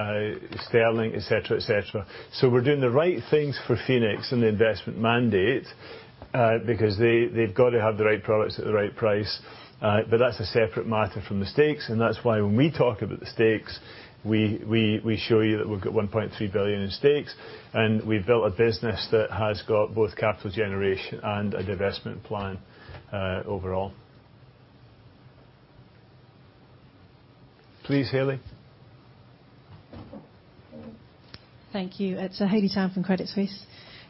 sterling, et cetera, et cetera. We're doing the right things for Phoenix and the investment mandate, because they've got to have the right products at the right price. That's a separate matter from the stakes. That's why when we talk about the stakes, we show you that we've got 1.3 billion in stakes. We've built a business that has got both capital generation and a divestment plan, overall. Please, Haley. Thank you. It's Haley Tam from Credit Suisse.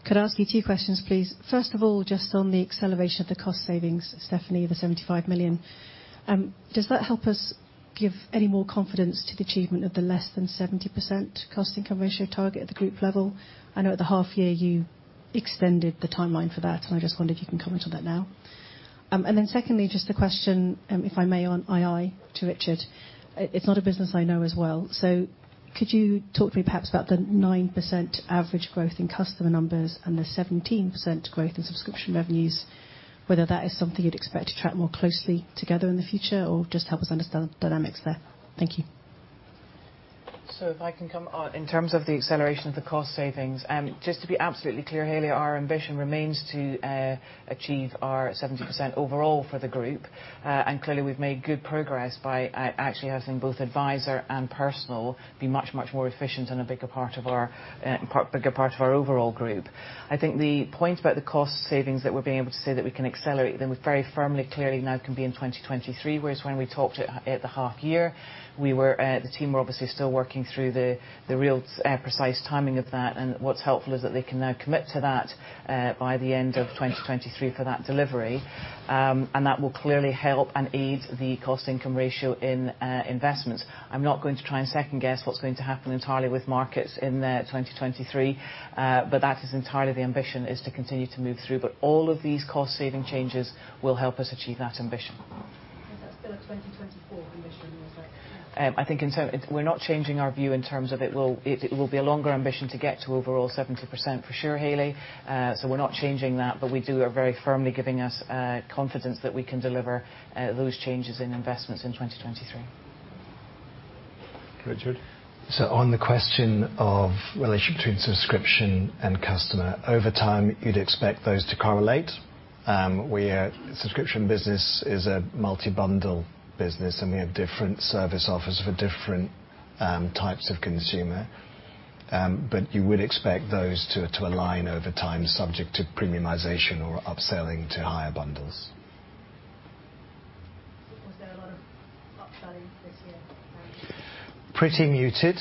Could I ask you two questions, please? First of all, just on the acceleration of the cost savings, Stephanie, the 75 million. Does that help us give any more confidence to the achievement of the less than 70% cost-income ratio target at the group level? I know at the half year you extended the timeline for that, and I just wondered if you can comment on that now. Secondly, just a question, if I may on II to Richard. It's not a business I know as well. Could you talk to me perhaps about the 9% average growth in customer numbers and the 17% growth in subscription revenues, whether that is something you'd expect to track more closely together in the future, or just help us understand the dynamics there. Thank you. If I can come in terms of the acceleration of the cost savings, just to be absolutely clear, Haley, our ambition remains to achieve our 70% overall for the group. Clearly, we've made good progress by actually having both advisor and personal be much, much more efficient and a bigger part of our overall group. I think the point about the cost savings that we're being able to say that we can accelerate them with very firmly, clearly now can be in 2023. Whereas when we talked at the half-year, we were the team were obviously still working through the real precise timing of that. What's helpful is that they can now commit to that by the end of 2023 for that delivery. That will clearly help and aid the cost-income ratio in investments. I'm not going to try and second-guess what's going to happen entirely with markets in 2023. That is entirely the ambition is to continue to move through. All of these cost saving changes will help us achieve that ambition. Is that still a 2024 ambition, or is that? I think We're not changing our view in terms of it will be a longer ambition to get to overall 70% for sure, Haley. We're not changing that, but we do are very firmly giving us confidence that we can deliver those changes in investments in 2023. Richard. On the question of relation between subscription and customer. Over time, you'd expect those to correlate. We, subscription business is a multi-bundle business, and we have different service offers for different types of consumer. You would expect those to align over time, subject to premiumization or upselling to higher bundles. Was there a lot of upselling this year? Pretty muted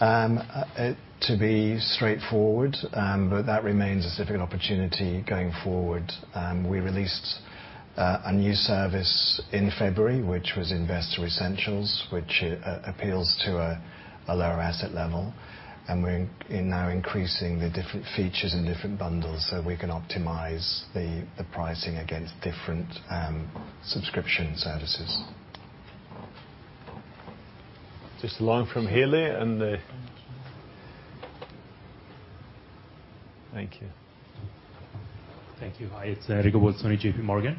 to be straightforward. That remains a significant opportunity going forward. We released a new service in February, which was Investor Essentials, which appeals to a lower asset level. We're in, now increasing the different features and different bundles so we can optimize the pricing against different subscription services. Just along from Haley and. Thank you. Thank you. Thank you. Hi, it's Enrico Bolzoni, JPMorgan.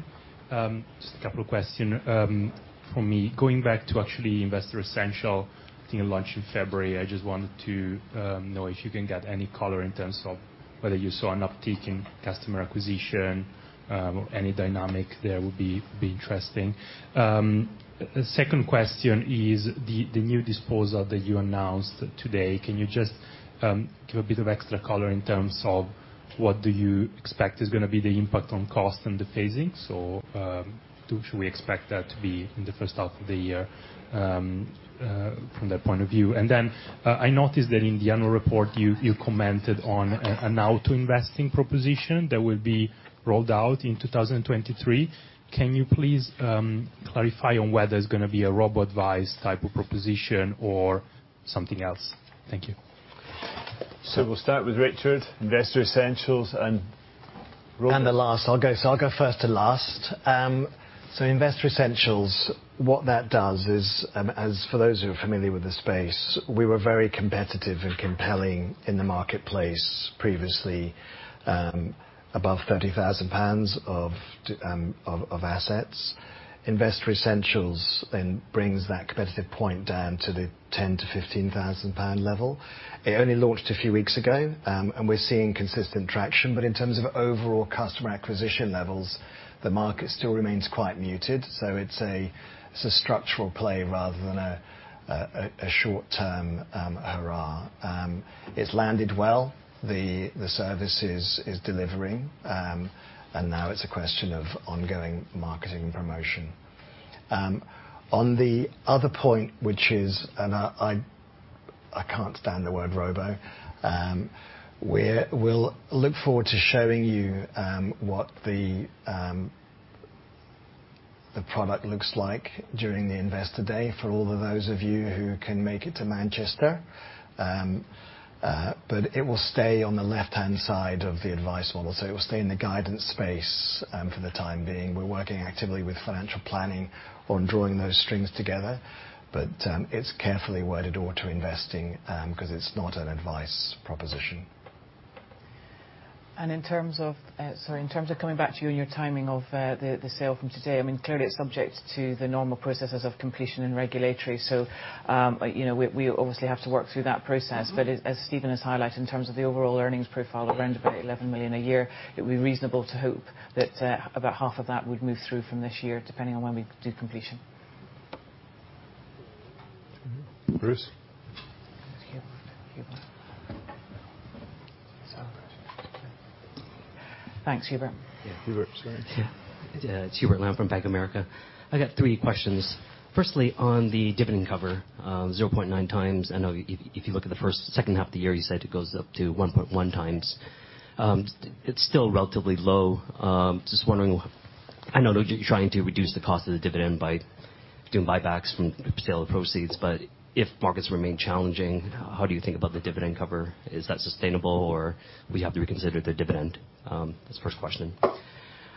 just a couple of question from me. Going back to actually Investor Essentials, I think it launched in February. I just wanted to know if you can get any color in terms of whether you saw an uptick in customer acquisition, or any dynamic there would be interesting. Second question is the new disposal that you announced today. Can you just give a bit of extra color in terms of what do you expect is gonna be the impact on cost and the phasing? should we expect that to be in the first half of the year, from that point of view? I noticed that in the annual report you commented on an auto investing proposition that will be rolled out in 2023. Can you please clarify on whether it's going to be a robo-advisor-advised type of proposition or something else? Thank you. We'll start with Richard, Investor Essentials and. The last. I'll go first to last. Investor Essentials, what that does is, as for those who are familiar with the space, we were very competitive and compelling in the marketplace previously, above 30,000 pounds of assets. Investor Essentials brings that competitive point down to the 10,000-15,000 pound level. It only launched a few weeks ago, we're seeing consistent traction. In terms of overall customer acquisition levels, the market still remains quite muted, so it's a structural play rather than a short-term hurrah. It's landed well. The service is delivering, now it's a question of ongoing marketing and promotion. On the other point, which is, and I, I can't stand the word robo-advisor, we'll look forward to showing you what the product looks like during the Investor Day for all of those of you who can make it to Manchester. It will stay on the left-hand side of the advice model. It will stay in the guidance space for the time being. We're working actively with financial planning on drawing those strings together, but it's carefully worded or to investing, 'cause it's not an advice proposition. In terms of, sorry, in terms of coming back to you and your timing of, the sale from today, I mean, clearly it's subject to the normal processes of completion and regulatory. You know, we obviously have to work through that process. As Steven has highlighted, in terms of the overall earnings profile of around about 11 million a year, it'd be reasonable to hope that about half of that would move through from this year, depending on when we do completion. Bruce. Hubert. Thanks, Hubert. Yeah. Hubert, sorry. Yeah. It's Hubert Lam from Bank of America. I got three questions. Firstly, on the dividend cover, 0.9x. I know if you look at the first, second half of the year, you said it goes up to 1.1x. It's still relatively low. Just wondering, I know that you're trying to reduce the cost of the dividend by doing buybacks from sale proceeds, if markets remain challenging, how do you think about the dividend cover? Is that sustainable, or we have to reconsider the dividend? That's the first question.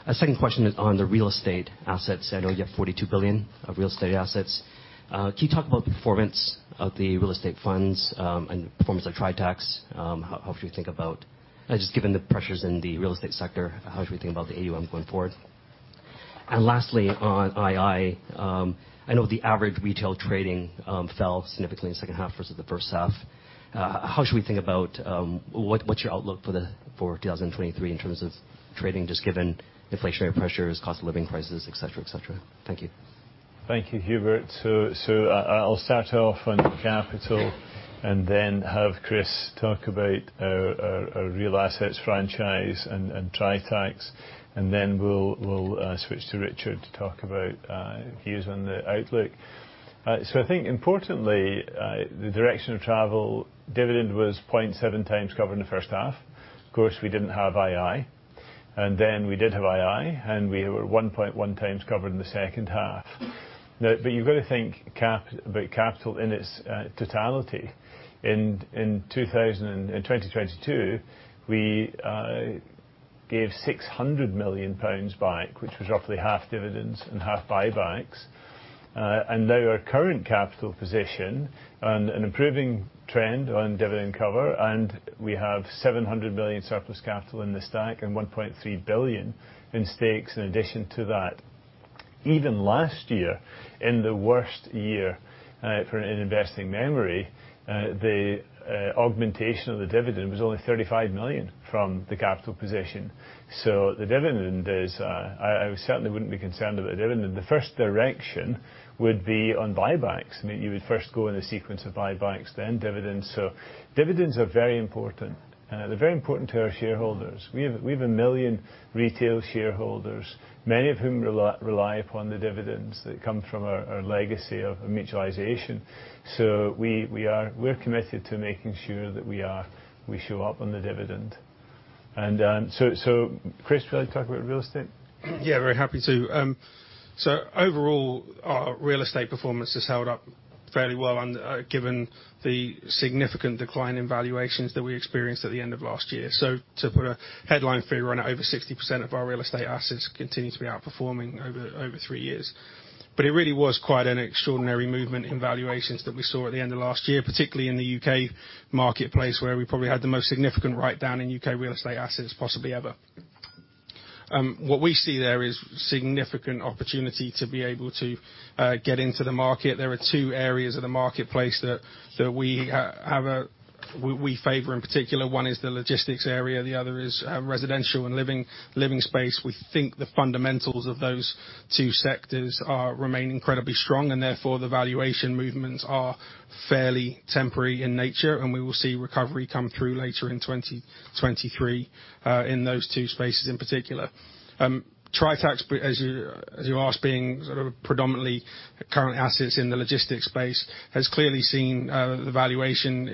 A second question is on the real estate assets. I know you have 42 billion of real estate assets. Can you talk about performance of the real estate funds, and the performance of Tritax? How do you think about... Just given the pressures in the real estate sector, how should we think about the AUM going forward? Lastly, on II, I know the average retail trading fell significantly in the second half versus the first half. How should we think about what's your outlook for 2023 in terms of trading, just given inflationary pressures, cost of living crisis, et cetera, et cetera? Thank you. Thank you, Hubert. I'll start off on capital and then have Chris talk about our real assets franchise and Tritax, then we'll switch to Richard to talk about views on the outlook. I think importantly, the direction of travel dividend was 0.7 times covered in the first half. Of course, we didn't have II. We did have II, and we were 1.1 times covered in the second half. You've got to think about capital in its totality. In 2022, we gave 600 million pounds back, which was roughly half dividends and half buybacks. Now our current capital position and an improving trend on dividend cover, and we have 700 million surplus capital in the stack and 1.3 billion in stakes in addition to that. Even last year, in the worst year for an in investing memory, the augmentation of the dividend was only 35 million from the capital position. The dividend is, I certainly wouldn't be concerned about the dividend. The first direction would be on buybacks. I mean, you would first go in the sequence of buybacks, then dividends. Dividends are very important. They're very important to our shareholders. We have 1 million retail shareholders, many of whom rely upon the dividends that come from our legacy of mutualization. We are, we're committed to making sure that we are, we show up on the dividend. And, so Chris, would you like to talk about real estate? Yeah, very happy to. Overall, our real estate performance has held up fairly well given the significant decline in valuations that we experienced at the end of last year. To put a headline figure on it, over 60% of our real estate assets continue to be outperforming over three years. It really was quite an extraordinary movement in valuations that we saw at the end of last year, particularly in the U.K. marketplace, where we probably had the most significant write-down in U.K. real estate assets possibly ever. What we see there is significant opportunity to be able to get into the market. There are two areas of the marketplace that we favor in particular. One is the logistics area, the other is residential and living space. We think the fundamentals of those two sectors are, remain incredibly strong. Therefore the valuation movements are fairly temporary in nature, and we will see recovery come through later in 2023 in those two spaces in particular. Tritax, as you asked, being sort of predominantly current assets in the logistics space, has clearly seen the valuation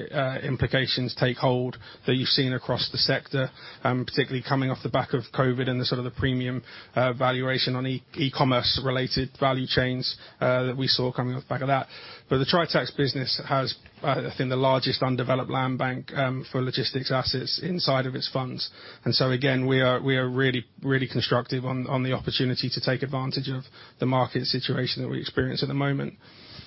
implications take hold that you've seen across the sector, particularly coming off the back of COVID and the sort of the premium valuation on e-commerce related value chains that we saw coming off the back of that. The Tritax business has, I think, the largest undeveloped land bank for logistics assets inside of its funds. Again, we are really, really constructive on the opportunity to take advantage of the market situation that we experience at the moment.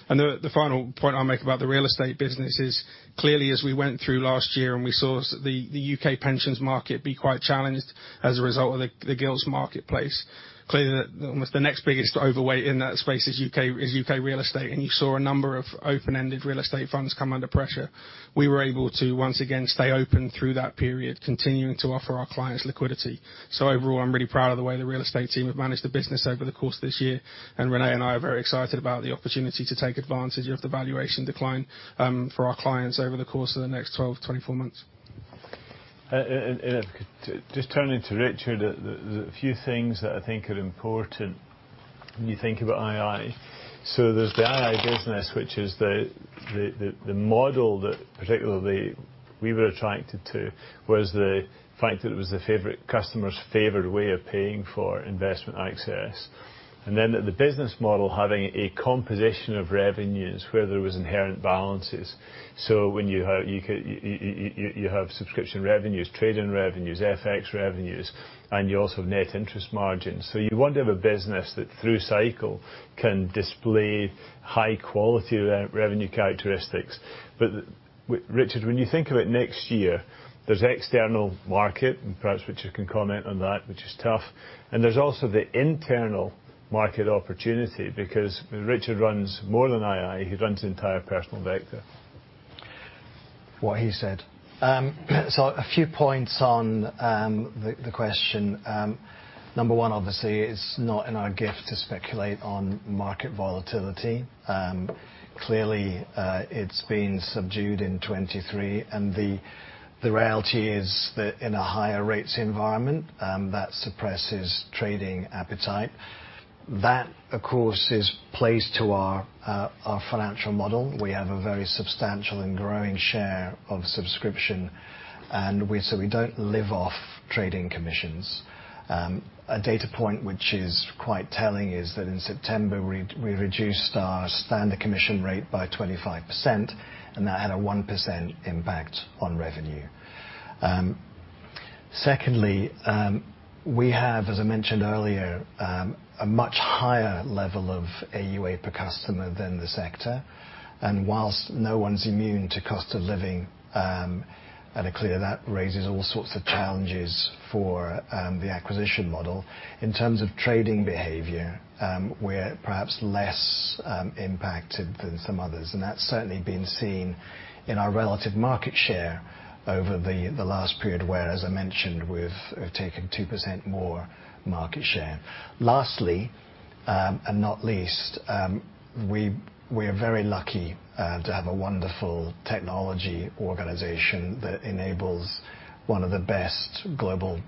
The final point I'll make about the real estate business is clearly as we went through last year, and we saw the U.K. pensions market be quite challenged as a result of the gilts marketplace. Clearly, almost the next biggest overweight in that space is U.K. real estate. You saw a number of open-ended real estate funds come under pressure. We were able to once again stay open through that period, continuing to offer our clients liquidity. Overall, I'm really proud of the way the real estate team have managed the business over the course of this year. René and I are very excited about the opportunity to take advantage of the valuation decline, for our clients over the course of the next 12-24 months. Just turning to Richard, there's a few things that I think are important when you think about II. There's the II business, which is the model that particularly we were attracted to was the fact that it was the favorite customer's favored way of paying for investment access. Then the business model having a composition of revenues where there was inherent balances. When you have, you have subscription revenues, trading revenues, FX revenues, and you also have net interest margins. You want to have a business that, through cycle, can display high quality re-revenue characteristics. Richard, when you think of it next year, there's external market, and perhaps Richard can comment on that, which is tough. There's also the internal market opportunity because Richard runs more than II, he runs the entire personal vector. What he said. A few points on the question. Number one, obviously, it's not in our gift to speculate on market volatility. Clearly, it's been subdued in 2023, the reality is that in a higher rates environment, that suppresses trading appetite. That, of course, is place to our financial model. We have a very substantial and growing share of subscription, we don't live off trading commissions. A data point which is quite telling is that in September, we reduced our standard commission rate by 25%, and that had a 1% impact on revenue. Secondly, we have, as I mentioned earlier, a much higher level of AUA per customer than the sector. Whilst no one's immune to cost of living, and clearly that raises all sorts of challenges for the acquisition model. In terms of trading behavior, we're perhaps less impacted than some others, and that's certainly been seen in our relative market share over the last period where, as I mentioned, we've taken 2% more market share. Lastly, and not least, we are very lucky to have a wonderful technology organization that enables one of the best global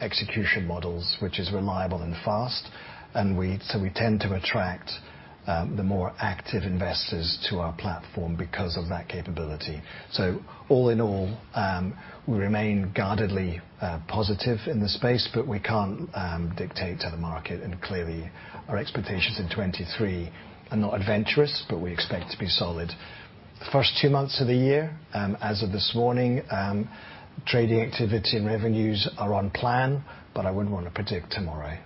execution models, which is reliable and fast. We tend to attract the more active investors to our platform because of that capability. All in all, we remain guardedly positive in the space, but we can't dictate to the market. Clearly, our expectations in 2023 are not adventurous, but we expect to be solid. The first two months of the year, as of this morning, trading activity and revenues are on plan, but I wouldn't want to predict tomorrow.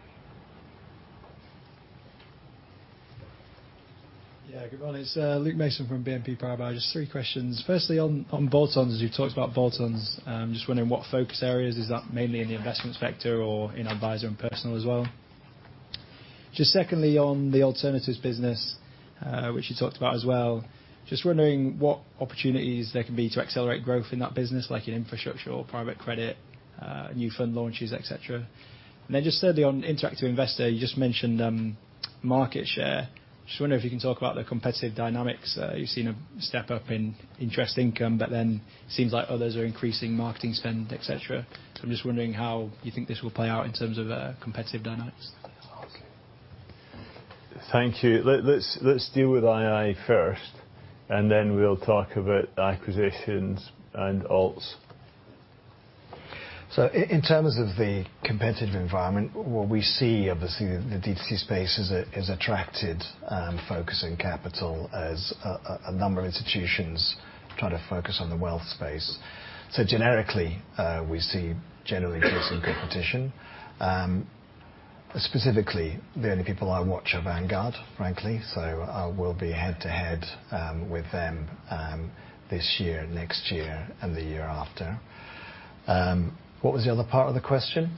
Yeah. Good morning. It's Luke Mason from BNP Paribas. Just three questions. Firstly, on bolt-ons, as you've talked about bolt-ons, just wondering what focus areas. Is that mainly in the investment sector or in advisor and personal as well? Just secondly, on the alternatives business, which you talked about as well, just wondering what opportunities there can be to accelerate growth in that business, like in infrastructure or private credit, new fund launches, et cetera. Just thirdly, on Interactive Investor, you just mentioned market share. Just wonder if you can talk about the competitive dynamics. You've seen a step up in interest income, but then seems like others are increasing marketing spend, et cetera. I'm just wondering how you think this will play out in terms of competitive dynamics. Thank you. Let's deal with II first, and then we'll talk about acquisitions and alts. In terms of the competitive environment, what we see, obviously, the DTC space has attracted focusing capital as a number of institutions try to focus on the wealth space. Generically, we see generally increasing competition. Specifically, the only people I watch are Vanguard, frankly, so I will be head to head with them this year, next year, and the year after. What was the other part of the question?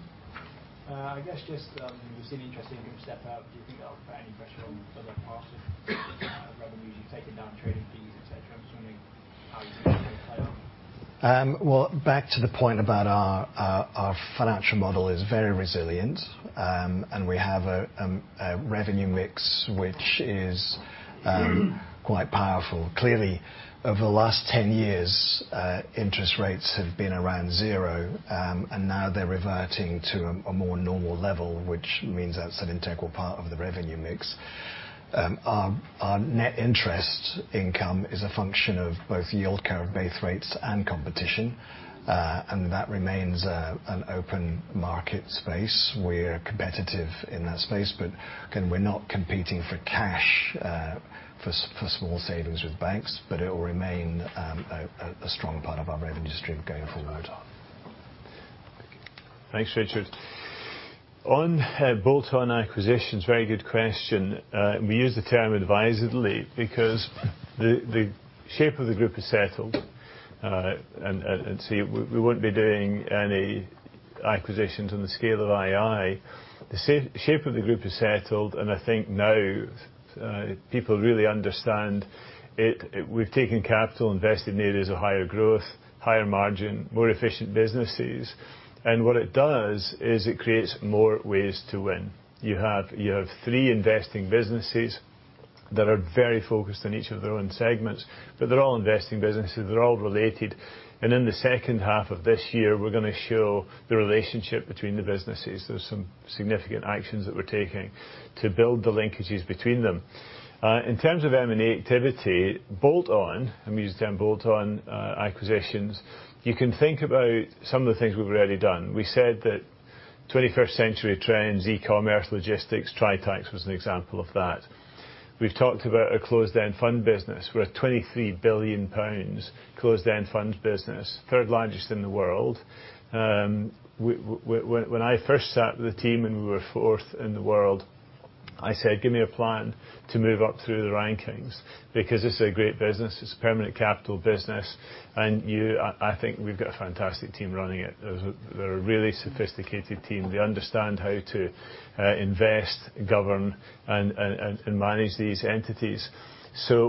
I guess just, you've seen interest income step up. Do you think that'll put any pressure on other parts of revenues? You've taken down trading fees, et cetera. I'm just wondering how you see that playing out. Well, back to the point about our, our financial model is very resilient, and we have a revenue mix which is quite powerful. Clearly, over the last 10 years, interest rates have been around zero, and now they're reverting to a more normal level, which means that's an integral part of the revenue mix. Our net interest income is a function of both yield curve, base rates, and competition, and that remains an open market space. We're competitive in that space, but again, we're not competing for cash for small savings with banks, but it will remain a strong part of our revenue stream going forward. Thanks, Richard. On bolt-on acquisitions, very good question. We use the term advisedly because the shape of the group is settled. See, we won't be doing any acquisitions on the scale of II. The shape of the group is settled, and I think now people really understand it. We've taken capital invested in areas of higher growth, higher margin, more efficient businesses. What it does is it creates more ways to win. You have three investing businesses that are very focused on each of their own segments, but they're all investing businesses, they're all related. In the second half of this year, we're gonna show the relationship between the businesses. There's some significant actions that we're taking to build the linkages between them. In terms of M&A activity, bolt-on, I'm gonna use the term bolt-on acquisitions. You can think about some of the things we've already done. We said that 21st century trends, e-commerce, logistics, Tritax was an example of that. We've talked about a closed-end fund business. We're at 23 billion pounds closed-end fund business, third largest in the world. When I first sat with the team and we were fourth in the world, I said, "Give me a plan to move up through the rankings," because it's a great business, it's a permanent capital business. I think we've got a fantastic team running it. They're a really sophisticated team. They understand how to invest, govern, and manage these entities.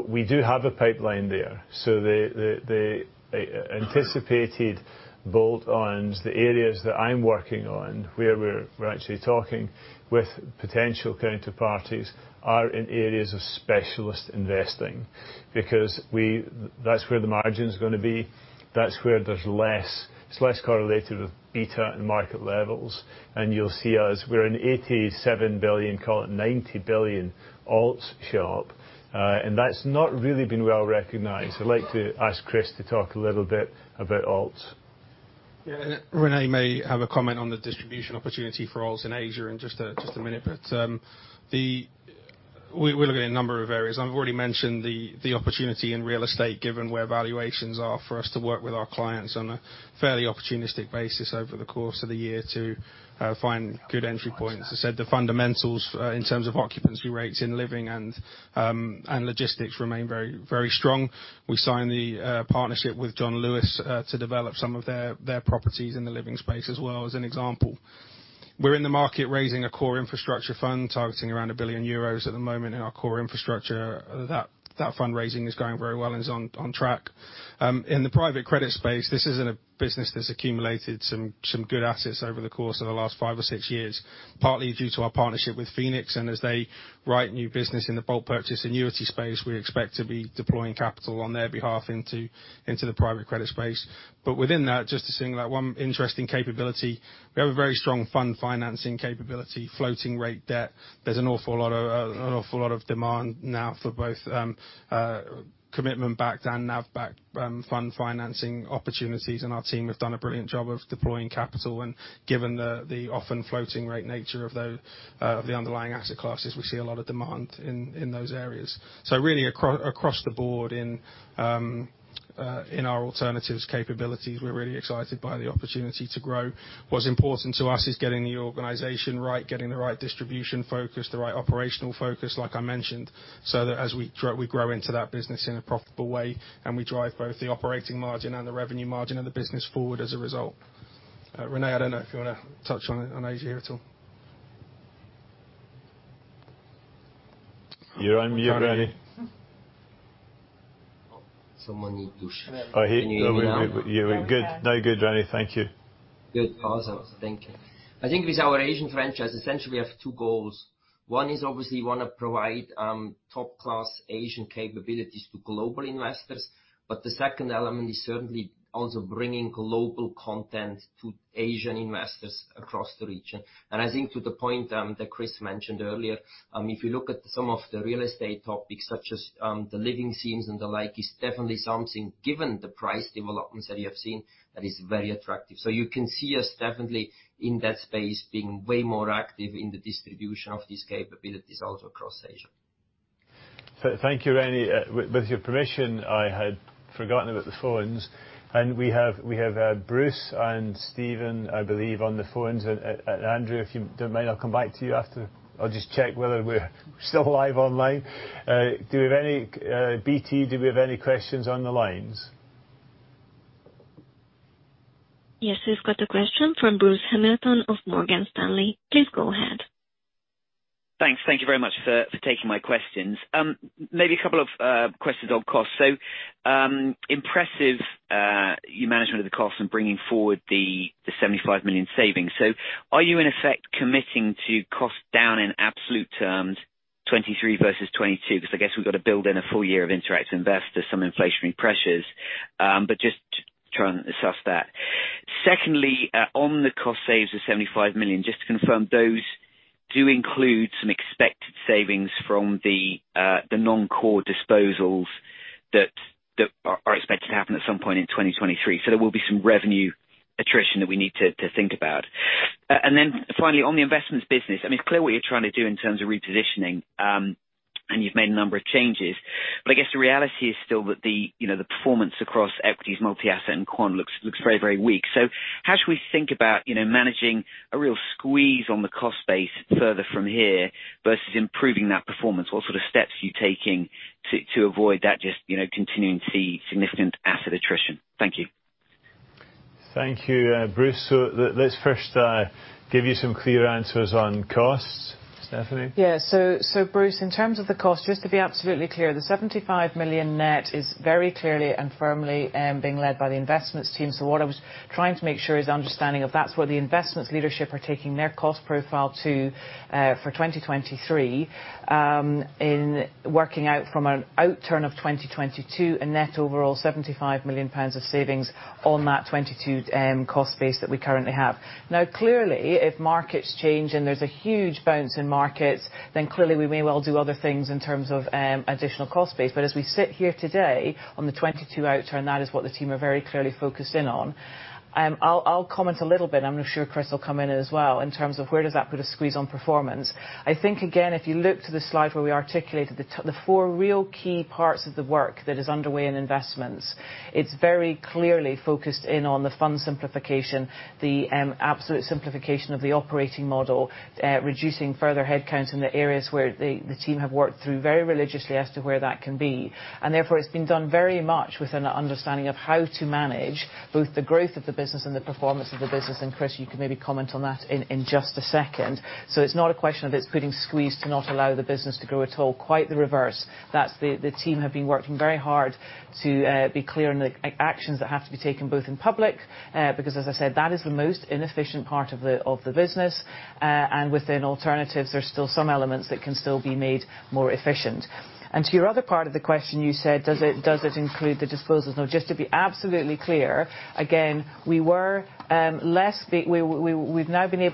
We do have a pipeline there. The anticipated bolt-ons, the areas that I'm working on where we're actually talking with potential counterparties are in areas of specialist investing. Because that's where the margin's gonna be, that's where there's less. It's less correlated with beta and market levels. You'll see us, we're an 87 billion, call it 90 billion alts shop, and that's not really been well-recognized. I'd like to ask Chris to talk a little bit about alts. Yeah. René may have a comment on the distribution opportunity for alts in Asia in just a minute. We're looking at a number of areas. I've already mentioned the opportunity in real estate, given where valuations are for us to work with our clients on a fairly opportunistic basis over the course of the year to find good entry points. I said the fundamentals in terms of occupancy rates in living and logistics remain very, very strong. We signed the partnership with John Lewis to develop some of their properties in the living space as well, as an example. We're in the market raising a core infrastructure fund targeting around 1 billion euros at the moment in our core infrastructure. That fundraising is going very well and is on track. In the private credit space, this isn't a business that's accumulated some good assets over the course of the last five or six years, partly due to our partnership with Phoenix. As they write new business in the bulk purchase annuity space, we expect to be deploying capital on their behalf into the private credit space. Within that, just to single out one interesting capability, we have a very strong fund financing capability, floating rate debt. There's an awful lot of demand now for both commitment-backed and NAV-backed fund financing opportunities. Our team have done a brilliant job of deploying capital when. Given the often floating rate nature of the underlying asset classes, we see a lot of demand in those areas. Really across the board in our alternatives capabilities, we're really excited by the opportunity to grow. What's important to us is getting the organization right, getting the right distribution focus, the right operational focus, like I mentioned, so that as we grow, we grow into that business in a profitable way, and we drive both the operating margin and the revenue margin and the business forward as a result. René, I don't know if you wanna touch on Asia at all. You're on mute, René. Someone need to shift. Oh, he. Can you hear me now? Yeah. We're good. No, you're good, René. Thank you. Good. Awesome. Thank you. I think with our Asian franchise, essentially we have two goals. One is, obviously, we wanna provide top-class Asian capabilities to global investors. The second element is certainly also bringing global content to Asian investors across the region. I think to the point that Chris mentioned earlier, if you look at some of the real estate topics such as the living scenes and the like, it's definitely something, given the price developments that you have seen, that is very attractive. You can see us definitely in that space being way more active in the distribution of these capabilities also across Asia. Thank you, René. With your permission, I had forgotten about the phones, and we have Bruce and Steven, I believe, on the phones. Andrew, if you don't mind, I'll come back to you after. I'll just check whether we're still live online. Do we have any BT, do we have any questions on the lines? Yes. We've got a question from Bruce Hamilton of Morgan Stanley. Please go ahead. Thanks. Thank you very much for taking my questions. Maybe a couple of questions on cost. Impressive, your management of the cost and bringing forward the 75 million savings. Are you, in effect, committing to cost down in absolute terms 2023 versus 2022? Because I guess we've got to build in a full year of Interactive Investor, some inflationary pressures, but just trying to suss that. Secondly, on the cost saves of 75 million, just to confirm, those do include some expected savings from the non-core disposals that are expected to happen at some point in 2023. There will be some revenue attrition that we need to think about. Then finally, on the investments business, I mean, it's clear what you're trying to do in terms of repositioning. You've made a number of changes. I guess the reality is still that the, you know, the performance across equities, multi-asset, and quant looks very, very weak. How should we think about, you know, managing a real squeeze on the cost base further from here versus improving that performance? What sort of steps are you taking to avoid that just, you know, continuing to see significant asset attrition? Thank you. Thank you, Bruce. Let's first give you some clear answers on costs. Stephanie? Yeah. Bruce, in terms of the cost, just to be absolutely clear, the 75 million net is very clearly and firmly being led by the investments team. What I was trying to make sure is understanding of that's where the investments leadership are taking their cost profile to for 2023. In working out from an outturn of 2022, a net overall 75 million pounds of savings on that 22 cost base that we currently have. Now, clearly, if markets change and there's a huge bounce in markets, then clearly we may well do other things in terms of additional cost base. As we sit here today on the 22 outturn, that is what the team are very clearly focused in on. I'll comment a little bit, I'm sure Chris will come in as well, in terms of where does that put a squeeze on performance. I think again, if you look to the slide where we articulated the four real key parts of the work that is underway in investments, it's very clearly focused in on the fund simplification, the absolute simplification of the operating model, reducing further headcounts in the areas where the team have worked through very religiously as to where that can be. Therefore, it's been done very much with an understanding of how to manage both the growth of the business and the performance of the business. Chris, you can maybe comment on that in just a second. It's not a question of it's putting squeeze to not allow the business to grow at all. Quite the reverse. That's the team have been working very hard to be clear in the actions that have to be taken both in public, because as I said, that is the most inefficient part of the business. Within alternatives, there's still some elements that can still be made more efficient. To your other part of the question, you said, does it, does it include the disposals? No, just to be absolutely clear, again, we were less the.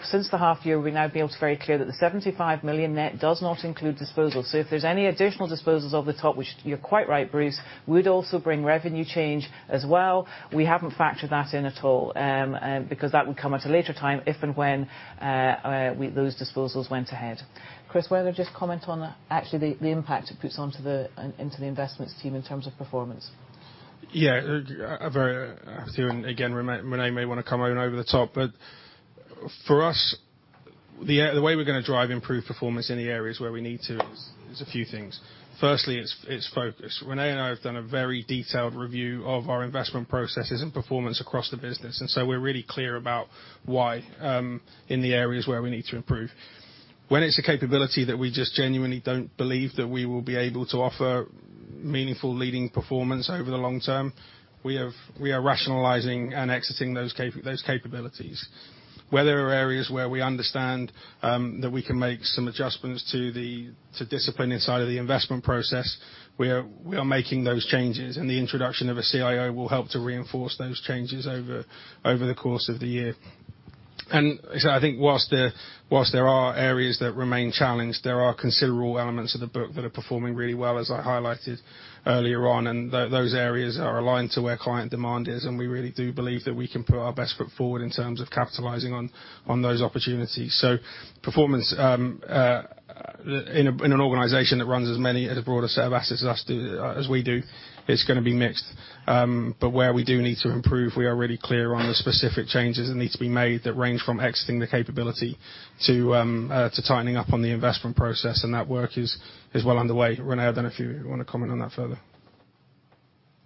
Since the half year, we've now been able to be very clear that the 75 million net does not include disposals. If there's any additional disposals off the top, which you're quite right, Bruce, would also bring revenue change as well. We haven't factored that in at all, because that would come at a later time if and when those disposals went ahead. Chris, do you wanna just comment on actually the impact it puts onto the into the investments team in terms of performance? Yeah. A very. Again, René may wanna come in over the top. For us, the way we're gonna drive improved performance in the areas where we need to is a few things. Firstly, it's focus. René and I have done a very detailed review of our investment processes and performance across the business, so we're really clear about why in the areas where we need to improve. When it's a capability that we just genuinely don't believe that we will be able to offer meaningful leading performance over the long term, we are rationalizing and exiting those capabilities. Where there are areas where we understand that we can make some adjustments to discipline inside of the investment process, we are making those changes, and the introduction of a CIO will help to reinforce those changes over the course of the year. I think whilst there, whilst there are areas that remain challenged, there are considerable elements of the book that are performing really well, as I highlighted earlier on, and those areas are aligned to where client demand is, and we really do believe that we can put our best foot forward in terms of capitalizing on those opportunities. Performance in an organization that runs as many, as broad a set of assets as we do, it's gonna be mixed. Where we do need to improve, we are really clear on the specific changes that need to be made that range from exiting the capability to tightening up on the investment process, and that work is well underway. Rene, I don't know if you wanna comment on that further.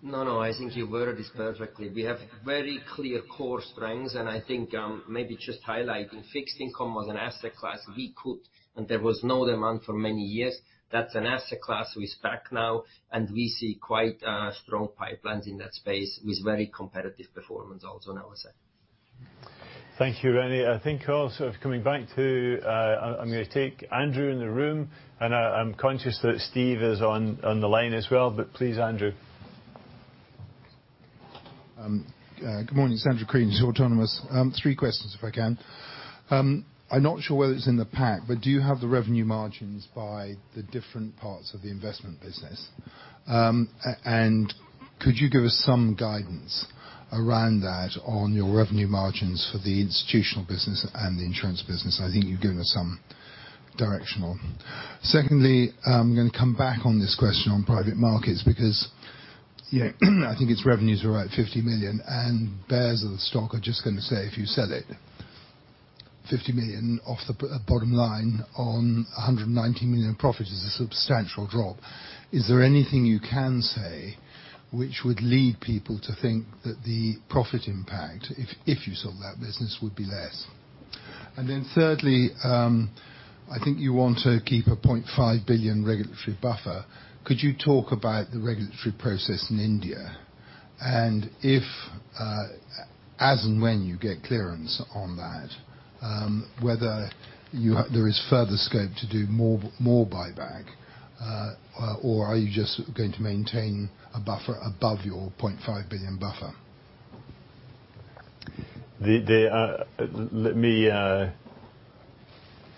No, no, I think you worded this perfectly. We have very clear core strengths, and I think, maybe just highlighting fixed income as an asset class we could, and there was no demand for many years. That's an asset class we stack now, and we see quite strong pipelines in that space with very competitive performance also on our side. Thank you, René. I think also coming back to, I'm gonna take Andrew in the room, and I'm conscious that Steven is on the line as well, but please, Andrew. Good morning. It's Andrew Crean, Autonomous Research. Three questions if I can. I'm not sure whether it's in the pack, but do you have the revenue margins by the different parts of the investment business? Could you give us some guidance around that on your revenue margins for the institutional business and the insurance business? I think you've given us some directional. Secondly, I'm gonna come back on this question on private markets because, you know, I think its revenues are about 50 million, and bears of the stock are just gonna say if you sell it, 50 million off the bottom line on a 190 million profit is a substantial drop. Is there anything you can say which would lead people to think that the profit impact, if you sold that business, would be less? Thirdly, I think you want to keep a 0.5 billion regulatory buffer. Could you talk about the regulatory process in India? If, as and when you get clearance on that, whether there is further scope to do more buyback, or are you just going to maintain a buffer above your 0.5 billion buffer? The, let me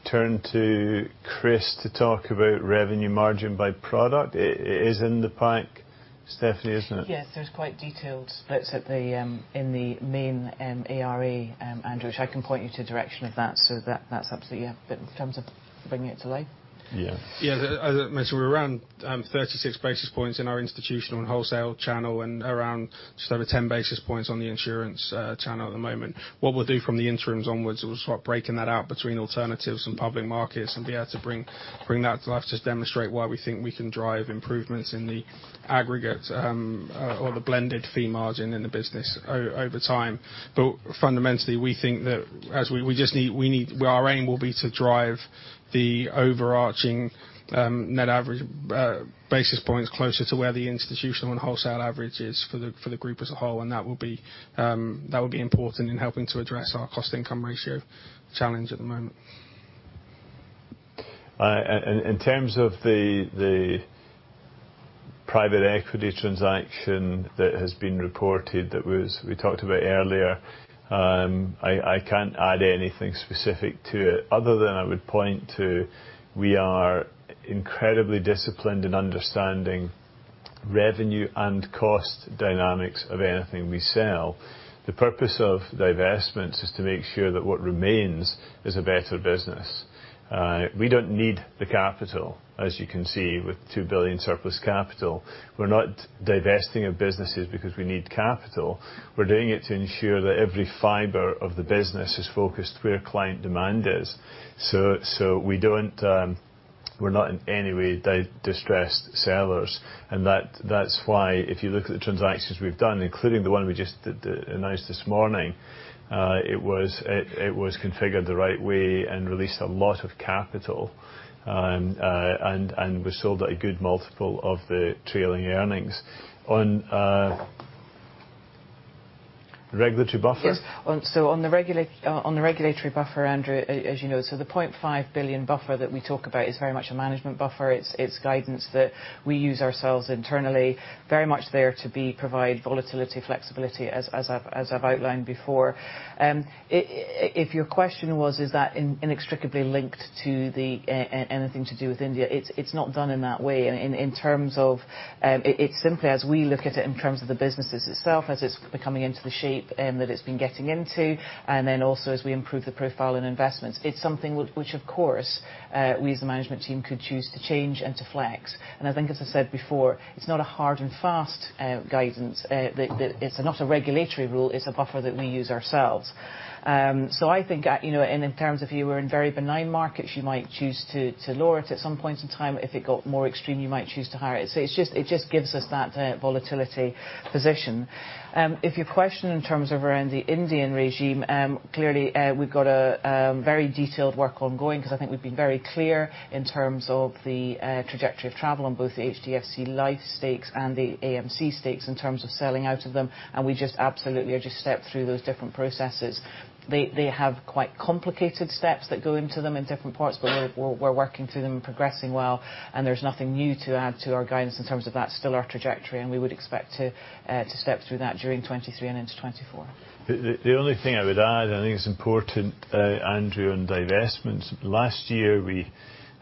turn to Chris to talk about revenue margin by product. It is in the pack Stephanie, isn't it? Yes. There's quite detailed splits at the in the main, ARA, Andrew, which I can point you to direction of that, so that's absolutely, yeah. In terms of bringing it to life. Yeah. Yeah. As I mentioned, we're around 36 basis points in our institutional and wholesale channel and around just over 10 basis points on the insurance channel at the moment. What we'll do from the interims onwards, we'll start breaking that out between alternatives and public markets and be able to bring that to life, just demonstrate why we think we can drive improvements in the aggregate or the blended fee margin in the business over time. Fundamentally, we think that our aim will be to drive the overarching net average basis points closer to where the institutional and wholesale average is for the group as a whole, and that will be important in helping to address our cost-income ratio challenge at the moment. In terms of the private equity transaction that has been reported, we talked about earlier, I can't add anything specific to it other than I would point to, we are incredibly disciplined in understanding revenue and cost dynamics of anything we sell. The purpose of divestments is to make sure that what remains is a better business. We don't need the capital, as you can see, with 2 billion surplus capital. We're not divesting of businesses because we need capital. We're doing it to ensure that every fiber of the business is focused where client demand is. We don't. We're not in any way distressed sellers, and that's why if you look at the transactions we've done, including the one we just did, announced this morning, it was configured the right way and released a lot of capital. We sold at a good multiple of the trailing earnings. On regulatory buffer. On the regulatory buffer, Andrew, as you know, the 0.5 billion buffer that we talk about is very much a management buffer. It's guidance that we use ourselves internally, very much there to provide volatility, flexibility, as I've outlined before. If your question was, is that inextricably linked to anything to do with India, it's not done in that way. In terms of, it's simply as we look at it in terms of the businesses itself, as it's becoming into the shape that it's been getting into, and then also as we improve the profile in investments. It's something which, of course, we as a management team could choose to change and to flex. I think, as I said before, it's not a hard and fast guidance. It's not a regulatory rule, it's a buffer that we use ourselves. you know, in terms of you were in very benign markets, you might choose to lower it at some point in time. If it got more extreme, you might choose to higher it. It just gives us that volatility position. If your question in terms of around the Indian regime, clearly, we've got a very detailed work ongoing 'cause I think we've been very clear in terms of the trajectory of travel on both the HDFC Life stakes and the AMC stakes in terms of selling out of them, we just absolutely are just step through those different processes. They have quite complicated steps that go into them in different parts, but we're working through them and progressing well. There's nothing new to add to our guidance in terms of that. Still our trajectory, we would expect to step through that during 2023 and into 2024. The only thing I would add, and I think it's important, Andrew Crean, on divestments. Last year, we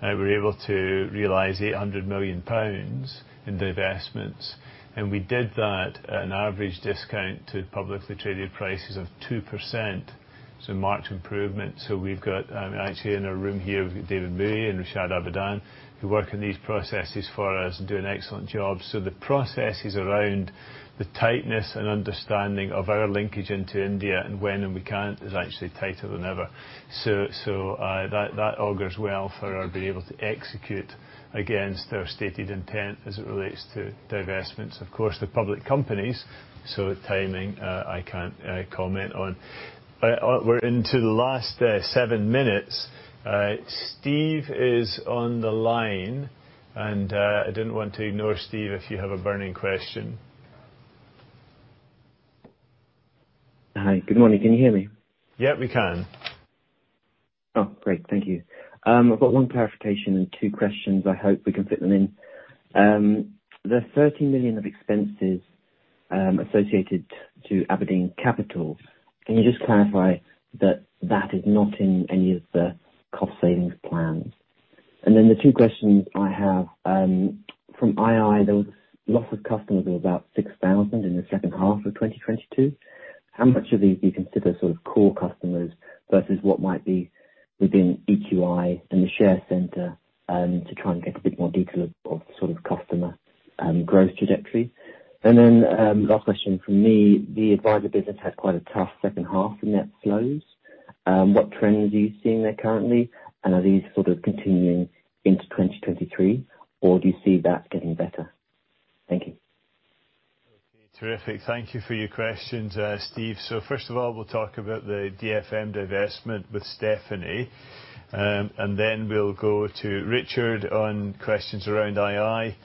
were able to realize 800 million pounds in divestments, and we did that at an average discount to publicly traded prices of 2%. Marked improvement. We've got actually in a room here with David Cumming and Rashad Cassim, who work on these processes for us and do an excellent job. The processes around the tightness and understanding of our linkage into India and when and we can't is actually tighter than ever. That augurs well for our being able to execute against our stated intent as it relates to divestments. Of course, they're public companies, so timing, I can't comment on. We're into the last 7 minutes. Steve is on the line, and I didn't want to ignore Steve, if you have a burning question. Hi. Good morning. Can you hear me? Yeah, we can. Great. Thank you. I've got one clarification and two questions. I hope we can fit them in. The 30 million of expenses associated to Aberdeen Capital, can you just clarify that that is not in any of the cost savings plans? The two questions I have from II, the loss of customers were about 6,000 in the second half of 2022. How much of these do you consider sort of core customers versus what might be within EQi and The Share Centre, to try and get a bit more detail of sort of customer growth trajectory? Last question from me, the advisor business had quite a tough second half in net flows. What trends are you seeing there currently? Are these sort of continuing into 2023 or do you see that getting better? Thank you. Okay. Terrific. Thank you for your questions, Steve. First of all, we'll talk about the DFM divestment with Stephanie. We'll go to Richard on questions around II.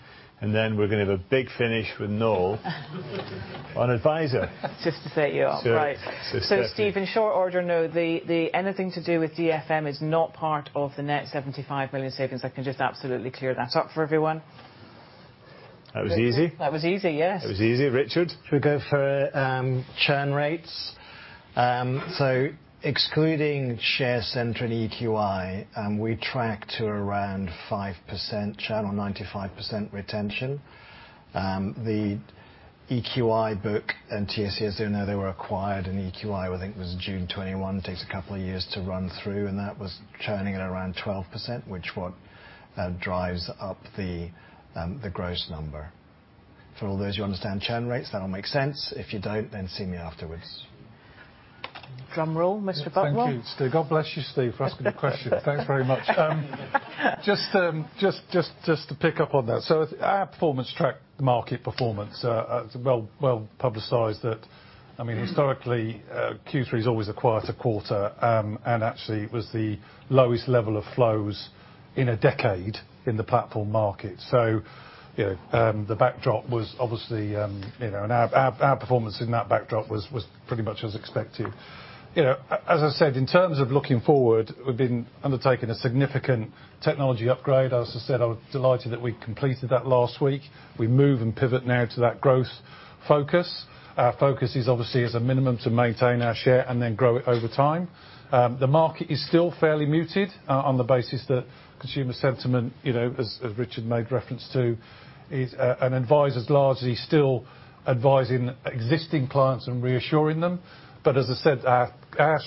We're gonna have a big finish with Noel on advisor. Just to set you up right. Stephanie Steve, in short order, no, anything to do with DFM is not part of the net 75 million savings. I can just absolutely clear that up for everyone. That was easy. That was easy, yes. That was easy. Richard? Should we go for churn rates? Excluding Share Centre and EQi, we track to around 5% churn on 95% retention. The EQi book and Yeo Soon Keat, though they were acquired, and EQi, I think it was June 2021, takes a couple of years to run through, and that was churning at around 12%, which drives up the gross number. All those who understand churn rates, that'll make sense. If you don't, then see me afterwards. Drum roll, Mr. Butler. Thank you, Steve. God bless you, Steve, for asking the question. Thanks very much. Just to pick up on that. Our performance tracked the market performance. It's well, well-publicized that, I mean, historically, Q3 is always a quieter quarter. And actually it was the lowest level of flows in a decade in the platform market. You know, the backdrop was obviously, you know. Our performance in that backdrop was pretty much as expected. You know, as I said, in terms of looking forward, we've been undertaking a significant technology upgrade. As I said, I was delighted that we completed that last week. We move and pivot now to that growth focus. Our focus is obviously as a minimum to maintain our share and then grow it over time. The market is still fairly muted on the basis that consumer sentiment, you know, as Richard made reference to, is and advisors largely still advising existing clients and reassuring them. As I said, our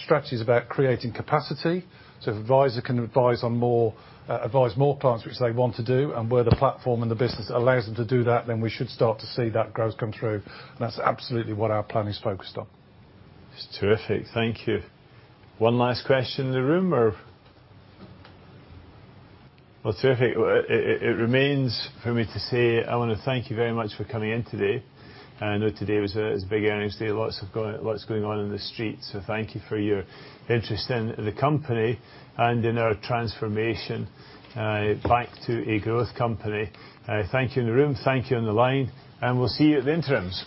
strategy is about creating capacity, so the advisor can advise on more, advise more clients, which they want to do. Where the platform and the business allows them to do that, then we should start to see that growth come through. That's absolutely what our plan is focused on. That's terrific. Thank you. One last question in the room or. Well, terrific. Well, it remains for me to say, I wanna thank you very much for coming in today. I know today was a big earnings day. Lots going on in the street, so thank you for your interest in the company and in our transformation back to a growth company. Thank you in the room, thank you on the line, and we'll see you at the interims.